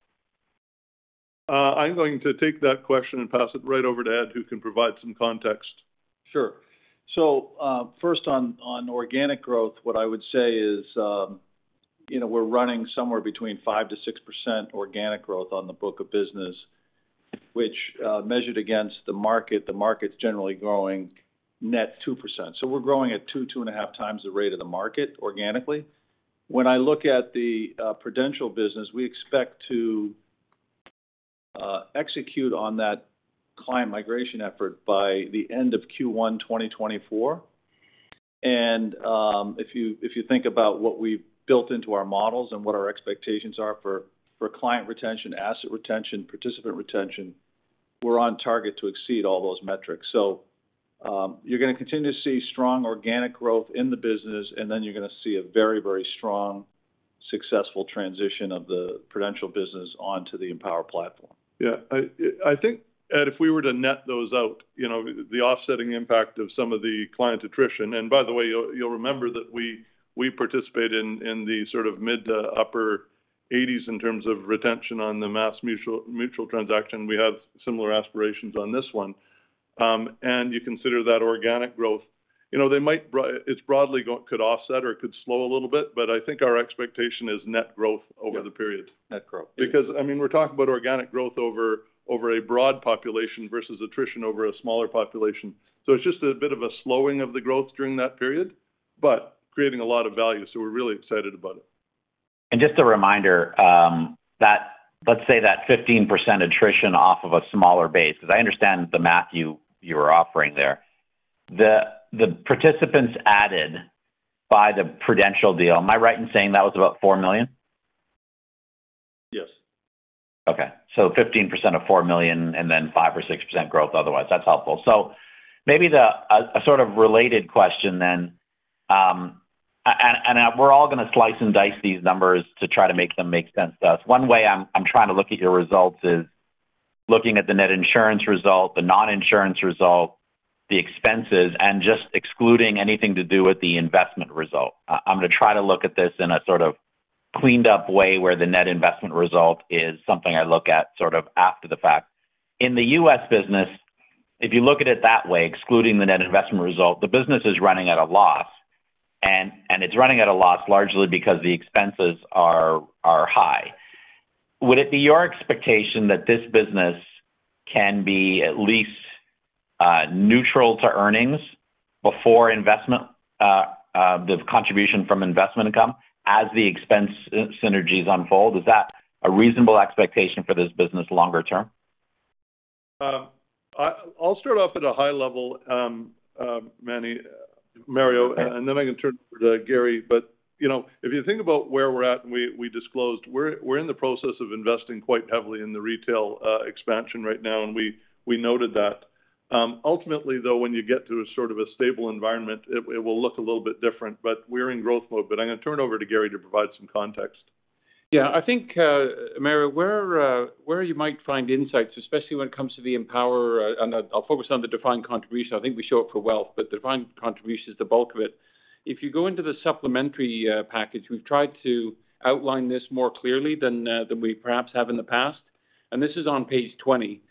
I'm going to take that question and pass it right over to Ed, who can provide some context. Sure. First on organic growth, what I would say is, you know, we're running somewhere between 5% to 6% organic growth on the book of business, which measured against the market, the market's generally growing net 2%. We're growing at 2.5 times the rate of the market organically. When I look at the Prudential business, we expect to execute on that client migration effort by the end of Q1 2024. If you, if you think about what we've built into our models and what our expectations are for client retention, asset retention, participant retention, we're on target to exceed all those metrics. You're gonna continue to see strong organic growth in the business, and then you're gonna see a very, very strong, successful transition of the Prudential business onto the Empower platform. Yeah. I think, Ed, if we were to net those out, you know, the offsetting impact of some of the client attrition, and by the way, you'll remember that we participate in the sort of mid to upper eighties in terms of retention on the MassMutual transaction. We have similar aspirations on this one. You consider that organic growth, you know, it's broadly could offset or it could slow a little bit, but I think our expectation is net growth over the period. Yeah. Net growth. I mean, we're talking about organic growth over a broad population versus attrition over a smaller population. It's just a bit of a slowing of the growth during that period, but creating a lot of value. We're really excited about it. Just a reminder, that let's say that 15% attrition off of a smaller base, 'cause I understand the math you were offering there. The participants added by the Prudential deal, am I right in saying that was about $4 million? Yes. Fifteen percent of $4 million and then 5% or 6% growth, otherwise. That's helpful. Maybe the... A sort of related question then, and we're all gonna slice and dice these numbers to try to make them make sense to us. One way I'm trying to look at your results is looking at the net insurance result, the non-insurance result, the expenses, and just excluding anything to do with the investment result. I'm gonna try to look at this in a sort of cleaned up way where the net investment result is something I look at sort of after the fact. In the U.S. business, if you look at it that way, excluding the net investment result, the business is running at a loss, and it's running at a loss largely because the expenses are high. Would it be your expectation that this business can be at least neutral to earnings before investment, the contribution from investment income as the expense synergies unfold? Is that a reasonable expectation for this business longer term? I'll start off at a high level, Meny, Mario, Okay. I can turn to Garry. You know, if you think about where we're at, and we disclosed, we're in the process of investing quite heavily in the retail expansion right now, and we noted that. Ultimately, though, when you get to sort of a stable environment, it will look a little bit different, but we're in growth mode. I'm gonna turn over to Garry to provide some context. Yeah. I think Mario, where you might find insights, especially when it comes to the Empower, and I'll focus on the Defined Contribution. I think we show it for wealth, but Defined Contribution is the bulk of it. If you go into the supplementary package, we've tried to outline this more clearly than we perhaps have in the past. This is on page 20.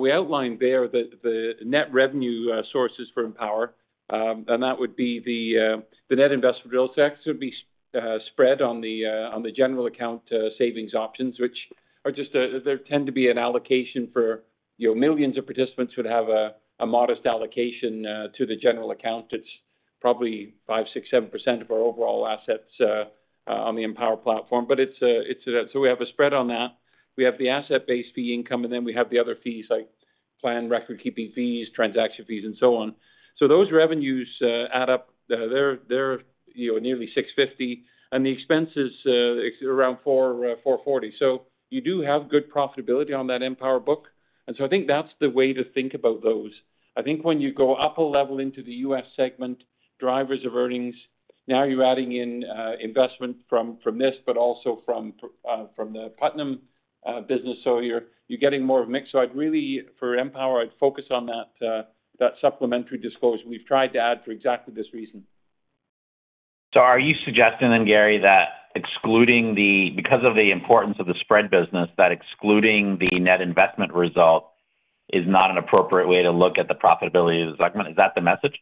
We outlined there the net revenue sources for Empower, and that would be the net investment real effects would be spread on the general account savings options, which are just there tend to be an allocation for, you know, millions of participants would have a modest allocation to the general account that's... Probably 5%, 6%, 7% of our overall assets on the Empower platform. It's a. We have a spread on that. We have the asset-based fee income, and then we have the other fees like plan record-keeping fees, transaction fees, and so on. Those revenues add up. They're, they're, you know, nearly $650 million, and the expenses around $440 million. You do have good profitability on that Empower book. I think that's the way to think about those. I think when you go up a level into the US segment, Drivers of Earnings, now you're adding in investment from this, but also from the Putnam business. You're getting more of mix. I'd really, for Empower, I'd focus on that supplementary disclosure we've tried to add for exactly this reason. Are you suggesting then, Garry, that excluding the because of the importance of the spread business, that excluding the net investment result is not an appropriate way to look at the profitability of the segment? Is that the message?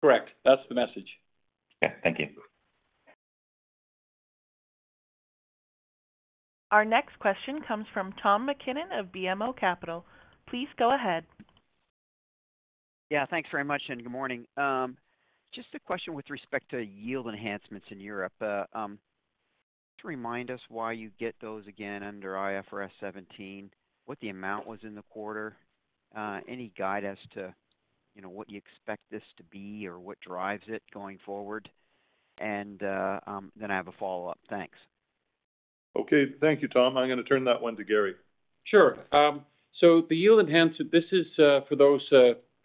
Correct. That's the message. Okay, thank you. Our next question comes from Tom MacKinnon of BMO Capital. Please go ahead. Yeah, thanks very much, and good morning. Just a question with respect to yield enhancements in Europe. Just remind us why you get those again under IFRS 17, what the amount was in the quarter. Any guide as to, you know, what you expect this to be or what drives it going forward? Then I have a follow-up. Thanks. Okay. Thank you, Tom. I'm gonna turn that one to Garry. Sure. The yield enhancement, this is for those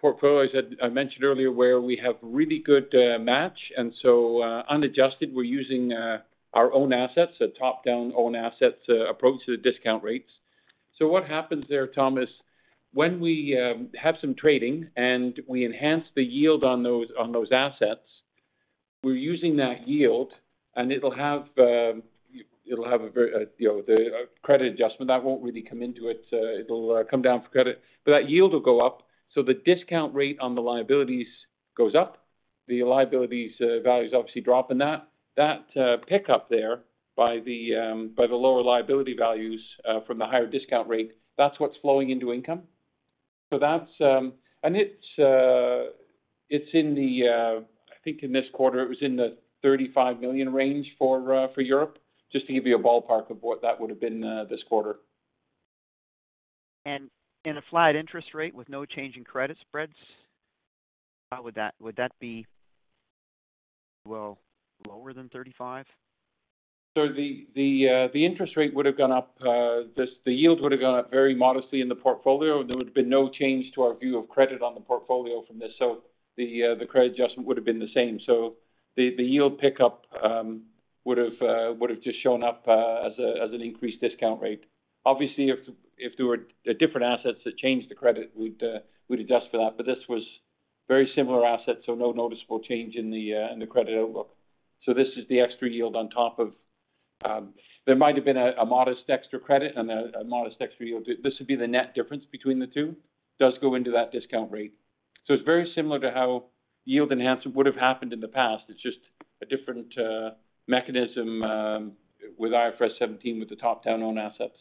portfolios that I mentioned earlier, where we have really good match. Unadjusted, we're using our own assets, a top-down own assets approach to the discount rates. What happens there, Tom, is when we have some trading and we enhance the yield on those, on those assets, we're using that yield, and it'll have, it'll have a very, a, you know, the credit adjustment that won't really come into it. It'll come down for credit, but that yield will go up. The discount rate on the liabilities goes up. The liabilities values obviously drop and that pickup there by the by the lower liability values from the higher discount rate, that's what's flowing into income. That's. It's in the, I think in this quarter it was in the 35 million range for Europe, just to give you a ballpark of what that would have been, this quarter. In a flat interest rate with no change in credit spreads, how would that be, well, lower than 35? The interest rate would have gone up, the yield would have gone up very modestly in the portfolio. There would have been no change to our view of credit on the portfolio from this. The credit adjustment would have been the same. The yield pickup would have just shown up as an increased discount rate. Obviously, if there were different assets that changed the credit, we'd adjust for that. This was very similar assets, no noticeable change in the credit outlook. This is the extra yield on top of there might have been a modest extra credit and a modest extra yield. This would be the net difference between the two. Does go into that discount rate. It's very similar to how yield enhancement would have happened in the past. It's just a different mechanism with IFRS 17 with the top-down own assets.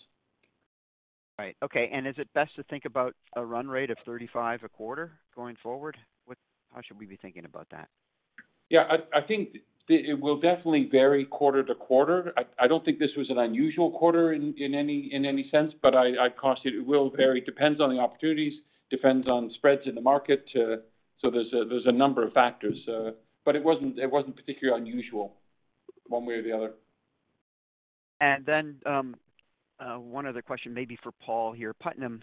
Right. Okay. Is it best to think about a run rate of 35 a quarter going forward? How should we be thinking about that? Yeah, I think it will definitely vary quarter to quarter. I don't think this was an unusual quarter in any sense, but I caution it will vary. Depends on the opportunities, depends on spreads in the market. There's a number of factors. It wasn't particularly unusual one way or the other. One other question maybe for Paul here. Putnam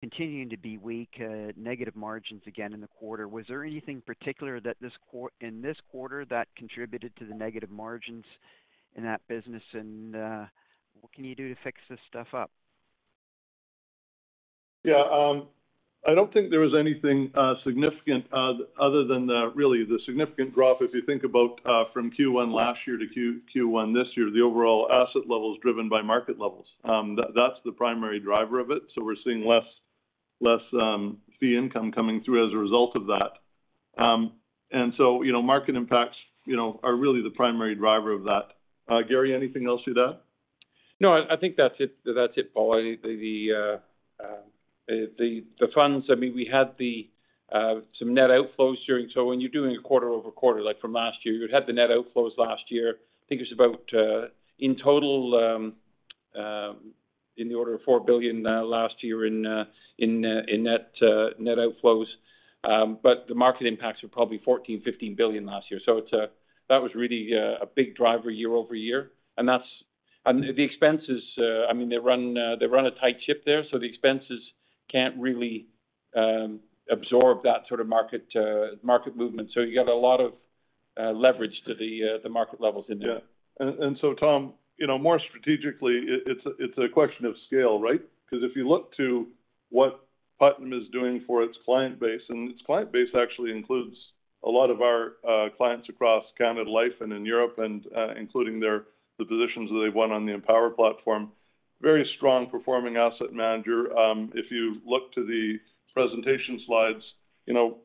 continuing to be weak, negative margins again in the quarter. Was there anything particular that in this quarter that contributed to the negative margins in that business? What can you do to fix this stuff up? I don't think there was anything significant other than the really the significant drop if you think about from Q1 last year to Q1 this year, the overall asset levels driven by market levels. That's the primary driver of it. We're seeing less fee income coming through as a result of that. You know, market impacts, you know, are really the primary driver of that. Garry, anything else to that? No, I think that's it. That's it, Paul. I, the funds, I mean, we had some net outflows during. When you're doing a quarter-over-quarter, like from last year, you had the net outflows last year. I think it was about in total in the order of 4 billion last year in net net outflows. But the market impacts were probably 14 billion-15 billion last year. It's that was really a big driver year-over-year. The expenses, I mean, they run a tight ship there, so the expenses can't really absorb that sort of market movement. You got a lot of leverage to the market levels in there. Yeah. Tom, you know, more strategically, it's a question of scale, right? Because if you look to what Putnam is doing for its client base, and its client base actually includes a lot of our clients across Canada Life and in Europe and including their, the positions that they want on the Empower platform. Very strong performing asset manager. If you look to the presentation slides, you know,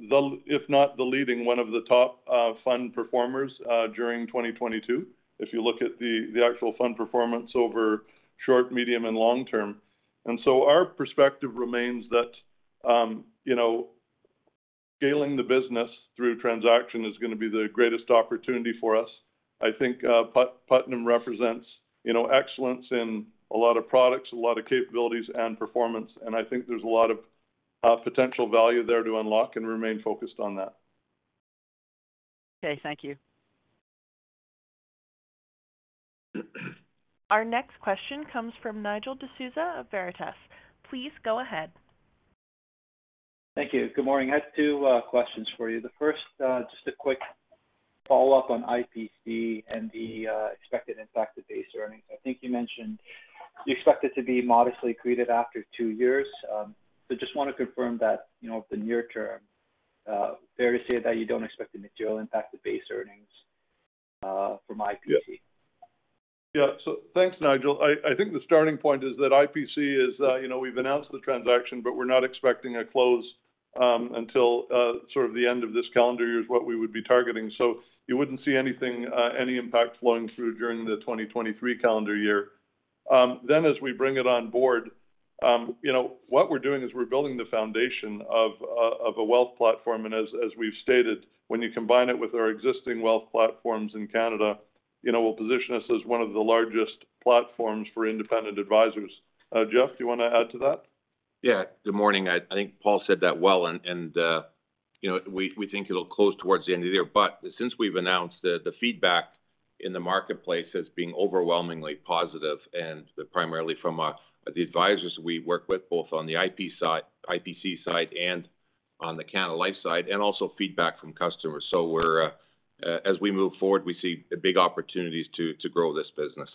the, if not the leading one of the top fund performers during 2022. If you look at the actual fund performance over short, medium, and long-term. Our perspective remains that, you know, scaling the business through transaction is going to be the greatest opportunity for us. I think Putnam represents, you know, excellence in a lot of products, a lot of capabilities and performance. I think there's a lot of potential value there to unlock and remain focused on that. Okay. Thank you. Our next question comes from Nigel D'Souza of Veritas. Please go ahead. Thank you. Good morning. I have two questions for you. The first, just a quick follow-up on IPC and the expected impact to base earnings. I think you mentioned you expect it to be modestly accretive after two years. Just want to confirm that, you know, the near term, fair to say that you don't expect a material impact to base earnings from IPC. Thanks, Nigel. I think the starting point is that IPC is, you know, we've announced the transaction, but we're not expecting a close until sort of the end of this calendar year is what we would be targeting. You wouldn't see anything any impact flowing through during the 2023 calendar year. As we bring it on board, you know, what we're doing is we're building the foundation of a wealth platform. As we've stated, when you combine it with our existing wealth platforms in Canada, you know, will position us as one of the largest platforms for independent advisors. Jeff, do you want to add to that? Yeah, good morning. I think Paul said that well, and, you know, we think it'll close towards the end of the year. Since we've announced, the feedback in the marketplace as being overwhelmingly positive and primarily from the advisors we work with, both on the IPC side and on the Canada Life side, and also feedback from customers. We're, as we move forward, we see big opportunities to grow this business.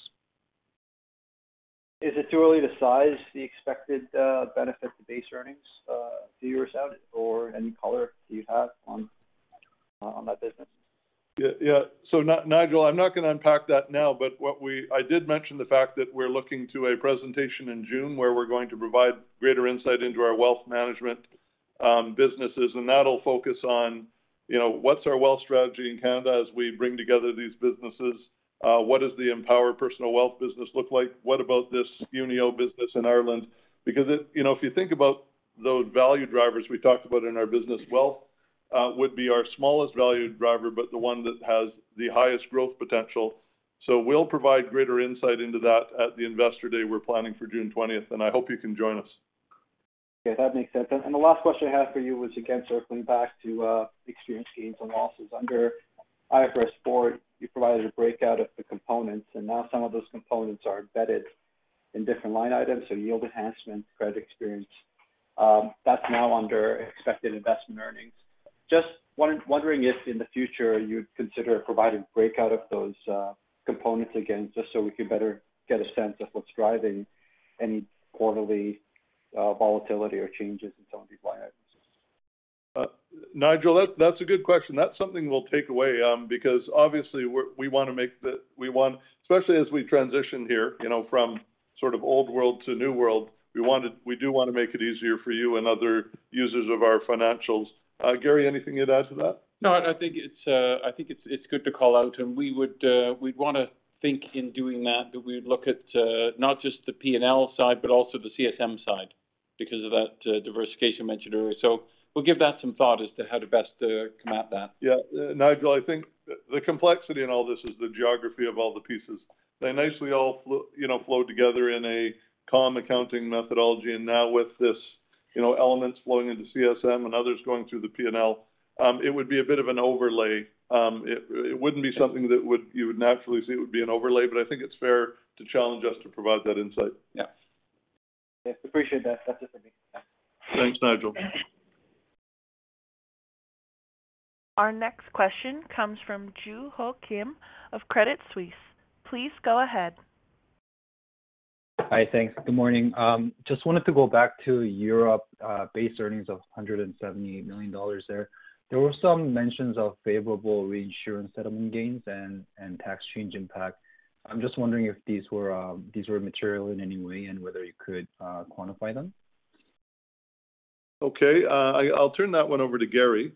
Is it too early to size the expected benefit to Base earnings, a few years out, or any color you have on that business? Yeah, yeah. Nigel, I'm not going to unpack that now, but I did mention the fact that we're looking to a presentation in June where we're going to provide greater insight into our wealth management businesses, and that'll focus on, you know, what's our wealth strategy in Canada as we bring together these businesses? What does the Empower Personal Wealth business look like? What about this Unio business in Ireland? You know, if you think about those value drivers we talked about in our business, wealth would be our smallest value driver, but the one that has the highest growth potential. We'll provide greater insight into that at the Investor Day we're planning for June 20th, and I hope you can join us. Okay, that makes sense. The last question I had for you was, again, circling back to experience gains and losses. Under IFRS 4, you provided a breakout of the components, and now some of those components are embedded in different line items. Yield enhancement, credit experience, that's now under expected investment earnings. Just wondering if in the future you'd consider providing breakout of those components again, just so we can better get a sense of what's driving any quarterly volatility or changes in some of these line items. Nigel, that's a good question. That's something we'll take away, because obviously we want, especially as we transition here, you know, from sort of old world to new world, we do want to make it easier for you and other users of our financials. Garry, anything you'd add to that? No, I think it's good to call out. We would, we'd want to think in doing that we would look at not just the P&L side, but also the CSM side because of that diversification mentioned earlier. We'll give that some thought as to how to best come at that. Yeah. Nigel, I think the complexity in all this is the geography of all the pieces. They nicely all flow, you know, flow together in a calm accounting methodology. Now with this, you know, elements flowing into CSM and others going through the P&L, it would be a bit of an overlay. It wouldn't be something that you would naturally see. It would be an overlay, but I think it's fair to challenge us to provide that insight. Yeah. Yes, appreciate that. That's it for me. Yeah. Thanks, Nigel. Our next question comes from Joo Ho Kim of Credit Suisse. Please go ahead. Hi. Thanks. Good morning. Just wanted to go back to Europe, base earnings of 178 million dollars there. There were some mentions of favorable reinsurance settlement gains and tax change impact. I'm just wondering if these were, these were material in any way and whether you could, quantify them. Okay. I'll turn that one over to Garry.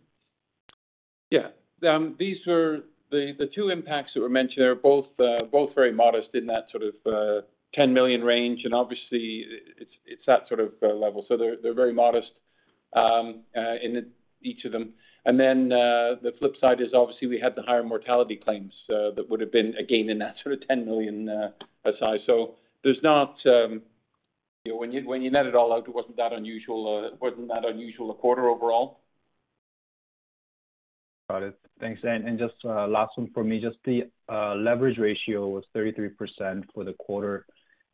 Yeah. These were the two impacts that were mentioned. They're both very modest in that sort of 10 million range. Obviously it's that sort of level. They're very modest in each of them. The flip side is obviously we had the higher mortality claims that would have been, again, in that sort of 10 million size. There's not. When you net it all out, it wasn't that unusual a quarter overall. Got it. Thanks. Just last one for me, just the leverage ratio was 33% for the quarter.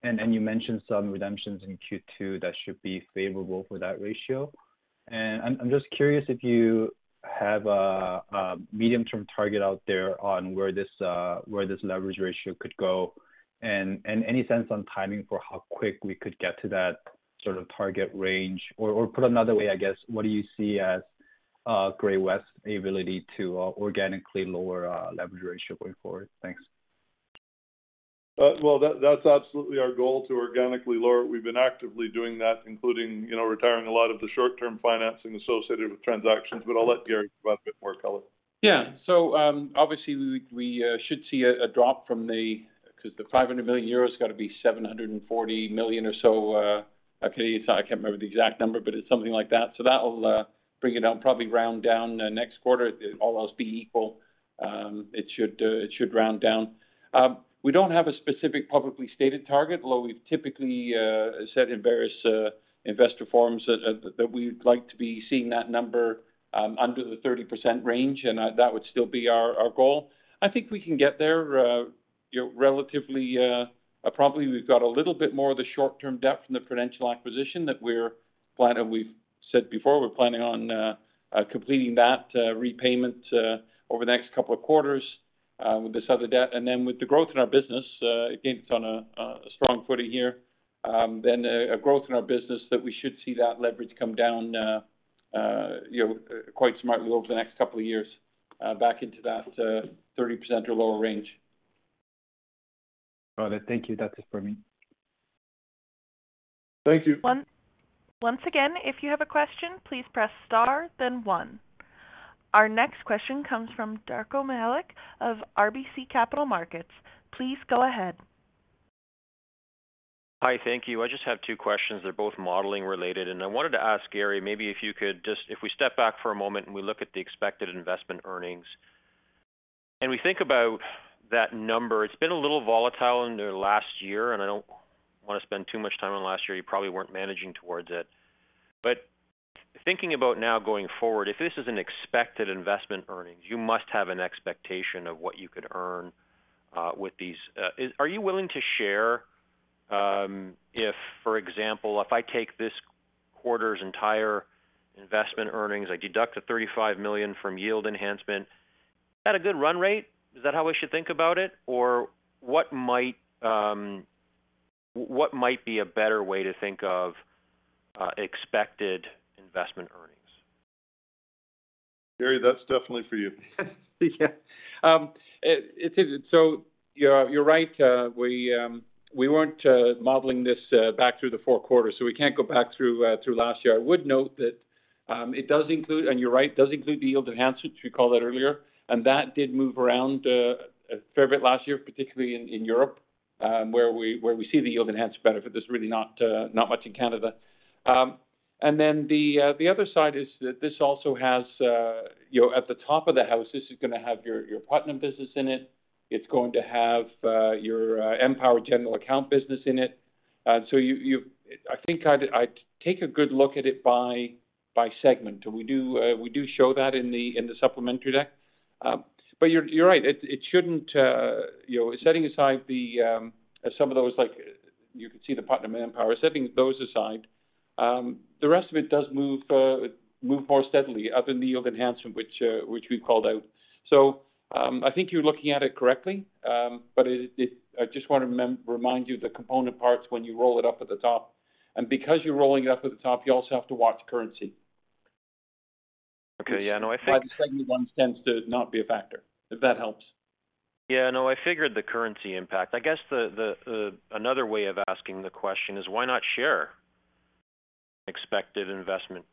You mentioned some redemptions in Q2 that should be favorable for that ratio. I'm just curious if you have a medium-term target out there on where this leverage ratio could go. Any sense on timing for how quick we could get to that sort of target range. Put another way, I guess, what do you see as Great-West ability to organically lower our leverage ratio going forward? Thanks. Well, that's absolutely our goal, to organically lower. We've been actively doing that, including, you know, retiring a lot of the short-term financing associated with transactions. I'll let Garry provide a bit more color. Yeah. Obviously we should see a drop from. The 500 million euros got to be 740 million or so, okay. I can't remember the exact number, but it's something like that. That'll bring it down, probably round down next quarter. If all else being equal, it should round down. We don't have a specific publicly stated target, although we've typically set in various investor forums that we'd like to be seeing that number under the 30% range, and that would still be our goal. I think we can get there, you know, relatively, probably we've got a little bit more of the short-term debt from the Prudential acquisition that we're planning. We've said before, we're planning on completing that repayment over the next couple of quarters with this other debt. With the growth in our business, again, it's on a strong footing here. Then a growth in our business that we should see that leverage come down, you know, quite smartly over the next couple of years, back into that 30% or lower range. Got it. Thank you. That's it for me. Thank you. Once again, if you have a question, please press star then 1. Our next question comes from Darko Mihelic of RBC Capital Markets. Please go ahead. Hi. Thank you. I just have two questions. They're both modeling related. I wanted to ask Garry, maybe if we step back for a moment and we look at the expected investment earnings, and we think about that number, it's been a little volatile in the last year, and I don't want to spend too much time on last year. You probably weren't managing towards it. Thinking about now going forward, if this is an expected investment earnings, you must have an expectation of what you could earn with these. Are you willing to share, if, for example, if I take this quarter's entire investment earnings, I deduct the 35 million from yield enhancement, is that a good run rate? Is that how I should think about it? What might be a better way to think of, expected investment earnings? Garry, that's definitely for you. Yeah. It is. You're right. We weren't modeling this back through the four quarters, so we can't go back through last year. I would note that it does include, and you're right, it does include the yield enhancement, as we called out earlier, and that did move around a fair bit last year, particularly in Europe, where we see the yield enhanced benefit. There's really not much in Canada. Then the other side is that this also has, you know, at the top of the house, this is going to have your Putnam business in it. It's going to have your Empower general account business in it. I think I'd take a good look at it by segment. We do show that in the supplementary deck. But you're right. It shouldn't, you know, setting aside the, some of those, like you could see the Putnam and Empower, setting those aside, the rest of it does move more steadily other than the yield enhancement which we called out. I think you're looking at it correctly. But I just want to remind you the component parts when you roll it up at the top. Because you're rolling it up at the top, you also have to watch currency. Okay. Yeah. No. By the segment one tends to not be a factor, if that helps. Yeah. No, I figured the currency impact. I guess the another way of asking the question is why not share expected investment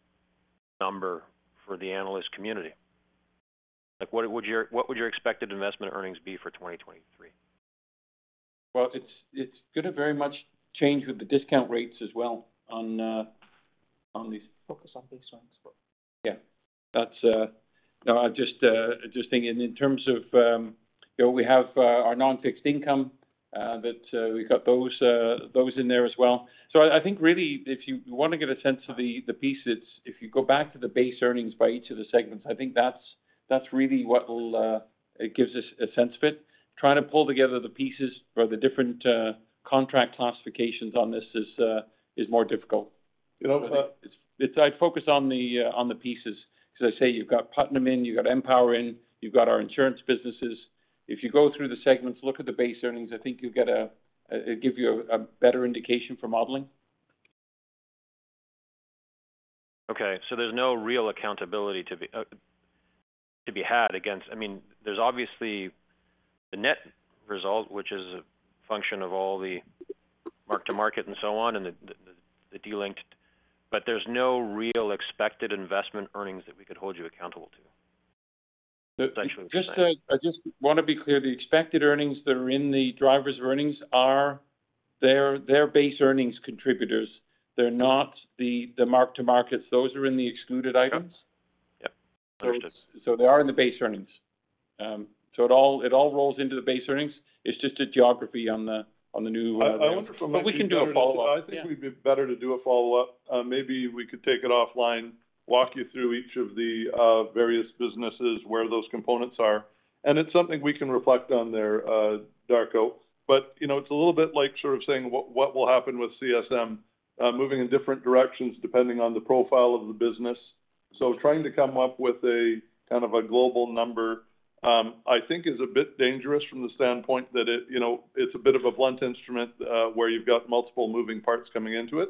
number for the analyst community? What would your expected investment earnings be for 2023? Well, it's going to very much change with the discount rates as well on these. Focus on base earnings. Yeah. That's... No, I just thinking in terms of, you know, we have, our non-fixed income, that, we've got those in there as well. I think really if you want to get a sense of the pieces, if you go back to the base earnings by each of the segments, I think that's really what will, gives us a sense of it. Trying to pull together the pieces for the different, contract classifications on this is more difficult. It also- I focus on the pieces. As I say, you've got Putnam in, you've got Empower in, you've got our insurance businesses. If you go through the segments, look at the base earnings, I think you'll get a better indication for modeling. Okay. There's no real accountability to be had against. I mean, there's obviously the net result, which is a function of all the mark to market and so on and the delinked, but there's no real expected investment earnings that we could hold you accountable to. I just want to be clear. The expected earnings that are in the Drivers of Earnings are their Base earnings contributors. They're not the mark to markets. Those are in the excluded items. Okay. Yep. Noted. They are in the base earnings. It all rolls into the base earnings. It's just a geography on the, on the new. I wonder if we can do a follow-up. Yeah. I think we'd be better to do a follow-up. maybe we could take it offline, walk you through each of the various businesses, where those components are. it's something we can reflect on there, Darko. you know, it's a little bit like sort of saying what will happen with CSM moving in different directions depending on the profile of the business. trying to come up with a, kind of a global number, I think is a bit dangerous from the standpoint that it, you know, it's a bit of a blunt instrument, where you've got multiple moving parts coming into it.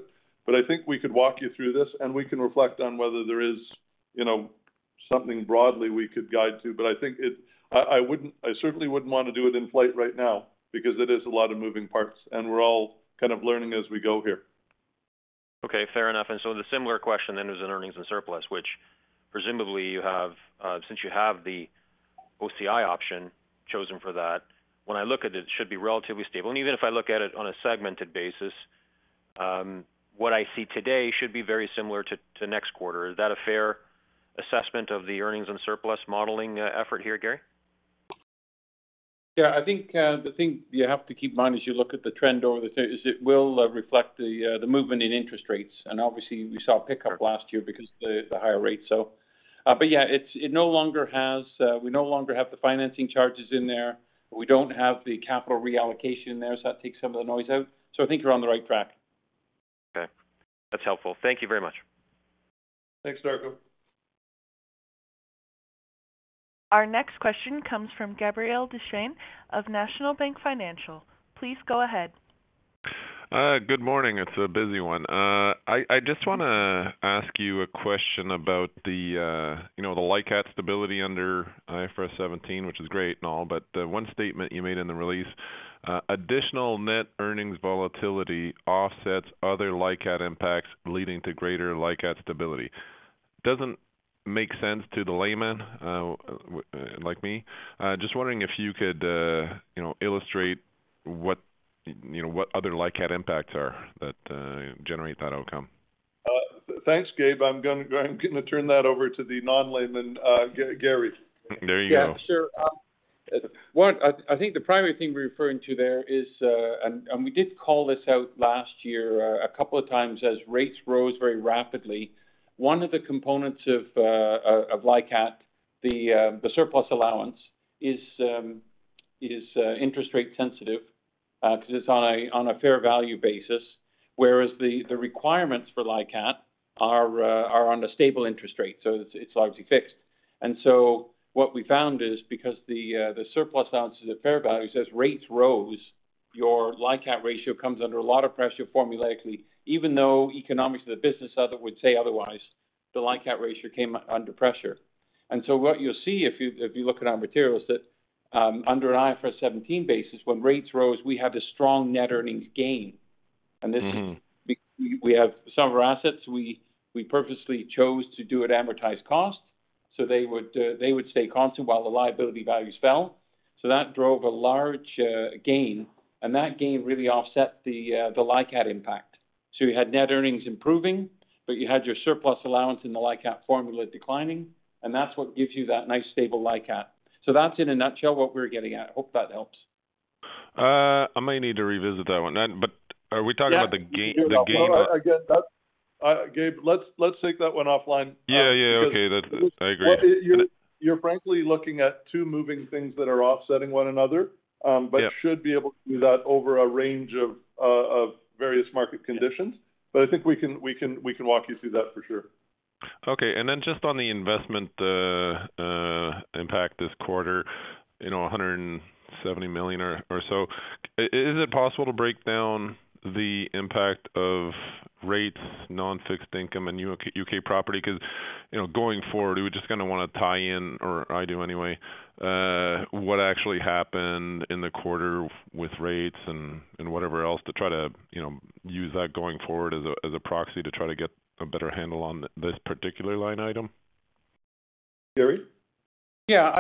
I think we could walk you through this, and we can reflect on whether there is, you know, something broadly we could guide to. I think I certainly wouldn't want to do it in flight right now because it is a lot of moving parts, and we're all kind of learning as we go here. Okay, fair enough. The similar question then is in earnings and surplus, which presumably you have, since you have the OCI option chosen for that, when I look at it should be relatively stable. Even if I look at it on a segmented basis, what I see today should be very similar to next quarter. Is that a fair assessment of the earnings and surplus modeling effort here, Garry? Yeah, I think the thing you have to keep in mind as you look at the trend over the thing is it will reflect the movement in interest rates. Obviously, we saw a pickup last year because of the higher rates. Yeah, it no longer has, we no longer have the financing charges in there. We don't have the capital reallocation in there, so that takes some of the noise out. I think you're on the right track. Okay. That's helpful. Thank you very much. Thanks, Darko. Our next question comes from Gabriel Dechaine of National Bank Financial. Please go ahead. Good morning. It's a busy one. I just wanna ask you a question about the, you know, the LICAT stability under IFRS 17, which is great and all. One statement you made in the release, "Additional net earnings volatility offsets other LICAT impacts, leading to greater LICAT stability." Doesn't make sense to the layman, like me. Just wondering if you could, you know, illustrate what, you know, what other LICAT impacts are that generate that outcome? Thanks, Gabe. I'm gonna turn that over to the non-layman, Garry. There you go. Yeah, sure. I think the primary thing we're referring to there is, we did call this out last year a couple of times as rates rose very rapidly. One of the components of LICAT, the surplus allowance is interest rate sensitive to design on a fair value basis, whereas the requirements for LICAT are under stable interest rates. It's obviously fixed. What we found is because the surplus balances at fair value, as rates rose, your LICAT ratio comes under a lot of pressure formulaically. Even though economics of the business other would say otherwise, the LICAT ratio came under pressure. What you'll see if you look at our material is that, under an IFRS 17 basis, when rates rose, we had a strong net earnings gain. Mm-hmm. we have some of our assets we purposely chose to do at amortized cost, so they would stay constant while the liability values fell. That drove a large gain, and that gain really offset the LICAT impact. You had net earnings improving, but you had your surplus allowance in the LICAT formula declining, and that's what gives you that nice stable LICAT. That's in a nutshell what we're getting at. Hope that helps. I might need to revisit that one. Are we talking about the gain- Yeah. The gain- No, I get that. Gabe, let's take that one offline. Yeah. Yeah. Okay. I agree. You're, you're frankly looking at two moving things that are offsetting one another. Yeah. Should be able to do that over a range of various market conditions. I think we can walk you through that for sure. Okay. Then just on the investment, impact this quarter, you know, 170 million or so. Is it possible to break down the impact of rates, non-fixed income and U.K. property? 'Cause, you know, going forward, we just kind a wanna tie in, or I do anyway, what actually happened in the quarter with rates and whatever else to try to, you know, use that going forward as a, as a proxy to try to get a better handle on this particular line item. Garry? Yeah.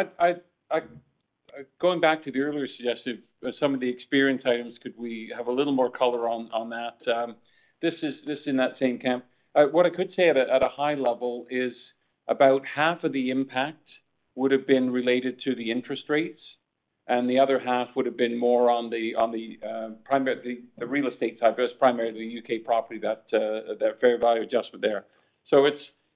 Going back to the earlier suggestion, some of the experience items, could we have a little more color on that? This is in that same camp. What I could say at a high level is about half of the impact would have been related to the interest rates, and the other half would have been more on the real estate side. That's primarily U.K. property, that fair value adjustment there.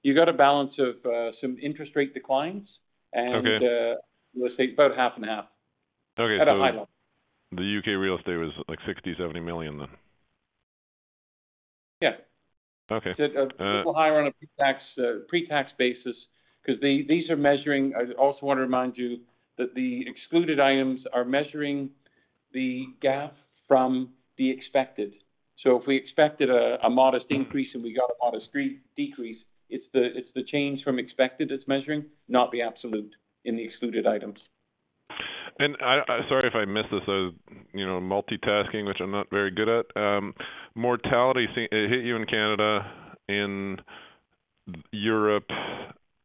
You got a balance of some interest rate declines and. Okay. Let's say about half and half. Okay. At a high level. The UK real estate was like 60 million-70 million then? Yeah. Okay. A little higher on a pre-tax basis, these are measuring. I also want to remind you that the excluded items are measuring the GAAP from the expected. If we expected a modest increase and we got a modest decrease, it's the change from expected it's measuring, not the absolute in the excluded items. I'm sorry if I missed this. I was, you know, multitasking, which I'm not very good at. Mortality it hit you in Canada, in Europe,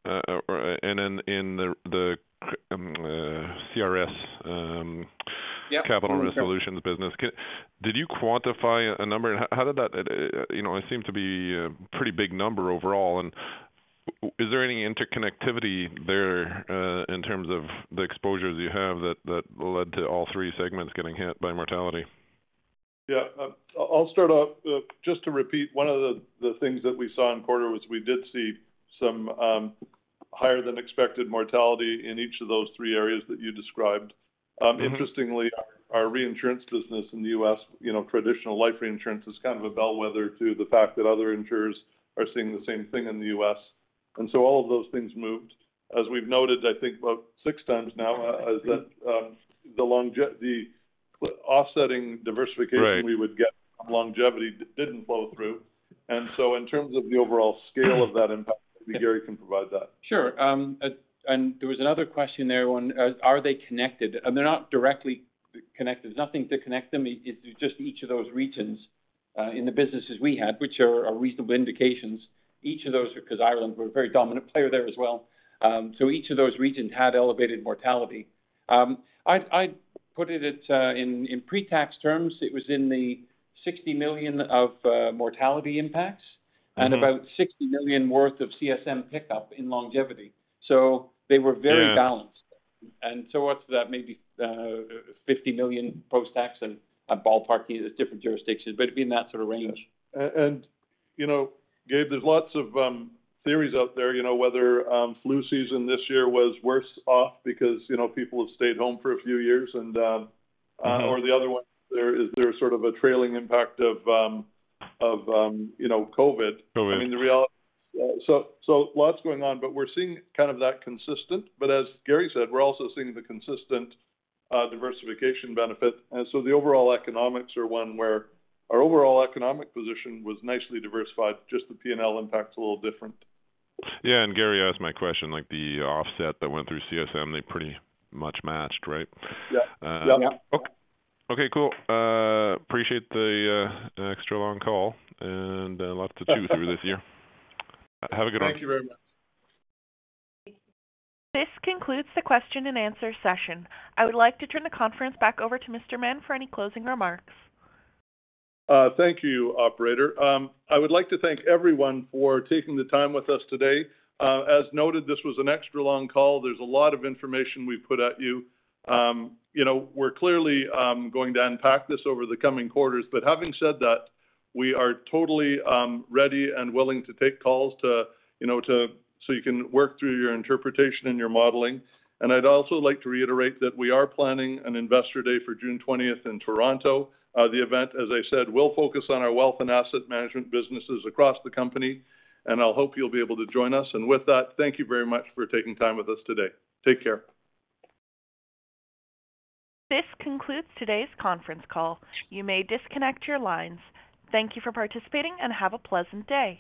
or in the CRS. Yeah. Capital resolutions business. Did you quantify a number? How did that, you know, it seemed to be a pretty big number overall? Is there any interconnectivity there, in terms of the exposures you have that led to all 3 segments getting hit by mortality? Yeah. I'll start off. Just to repeat one of the things that we saw in quarter was we did see some higher than expected mortality in each of those three areas that you described. Interestingly, our reinsurance business in the U.S., you know, traditional life reinsurance is kind of a bellwether to the fact that other insurers are seeing the same thing in the U.S. All of those things moved. As we've noted, I think about six times now, is that the offsetting diversification- Right. We would get from longevity didn't flow through. In terms of the overall scale of that impact, maybe Garry MacNicholas can provide that. Sure. There was another question there on, are they connected? They're not directly connected. There's nothing to connect them. It's just each of those regions in the businesses we had, which are reasonable indications, each of those, because Ireland, we're a very dominant player there as well. Each of those regions had elevated mortality. I put it at in pre-tax terms, it was in the 60 million of mortality impacts and about 60 million worth of CSM pickup in longevity. They were very balanced. Yeah. What's that? Maybe, 50 million post-tax and I'm ballparking it. It's different jurisdictions, but it'd be in that sort of range. You know, Gabe, there's lots of theories out there, you know, whether flu season this year was worse off because, you know, people have stayed home for a few years or the other one there is there sort of a trailing impact of, you know, COVID. COVID. I mean, the reality... lots going on, we're seeing kind of that consistent. As Garry said, we're also seeing the consistent diversification benefit. The overall economics are one where our overall economic position was nicely diversified. Just the P&L impact's a little different. Yeah, Garry asked my question, like the offset that went through CSM, they pretty much matched, right? Yeah. Yeah. Okay, cool. appreciate the extra long call and lots to chew through this year. Have a good one. Thank you very much. This concludes the question and answer session. I would like to turn the conference back over to Mr. Mann for any closing remarks. Thank you, Operator. I would like to thank everyone for taking the time with us today. As noted, this was an extra long call. There's a lot of information we put at you. You know, we're clearly going to unpack this over the coming quarters. Having said that, we are totally ready and willing to take calls, you know, so you can work through your interpretation and your modeling. I'd also like to reiterate that we are planning an investor day for June 20th in Toronto. The event, as I said, will focus on our wealth and asset management businesses across the company, and I hope you'll be able to join us. With that, thank you very much for taking time with us today. Take care. This concludes today's conference call. You may disconnect your lines. Thank you for participating and have a pleasant day.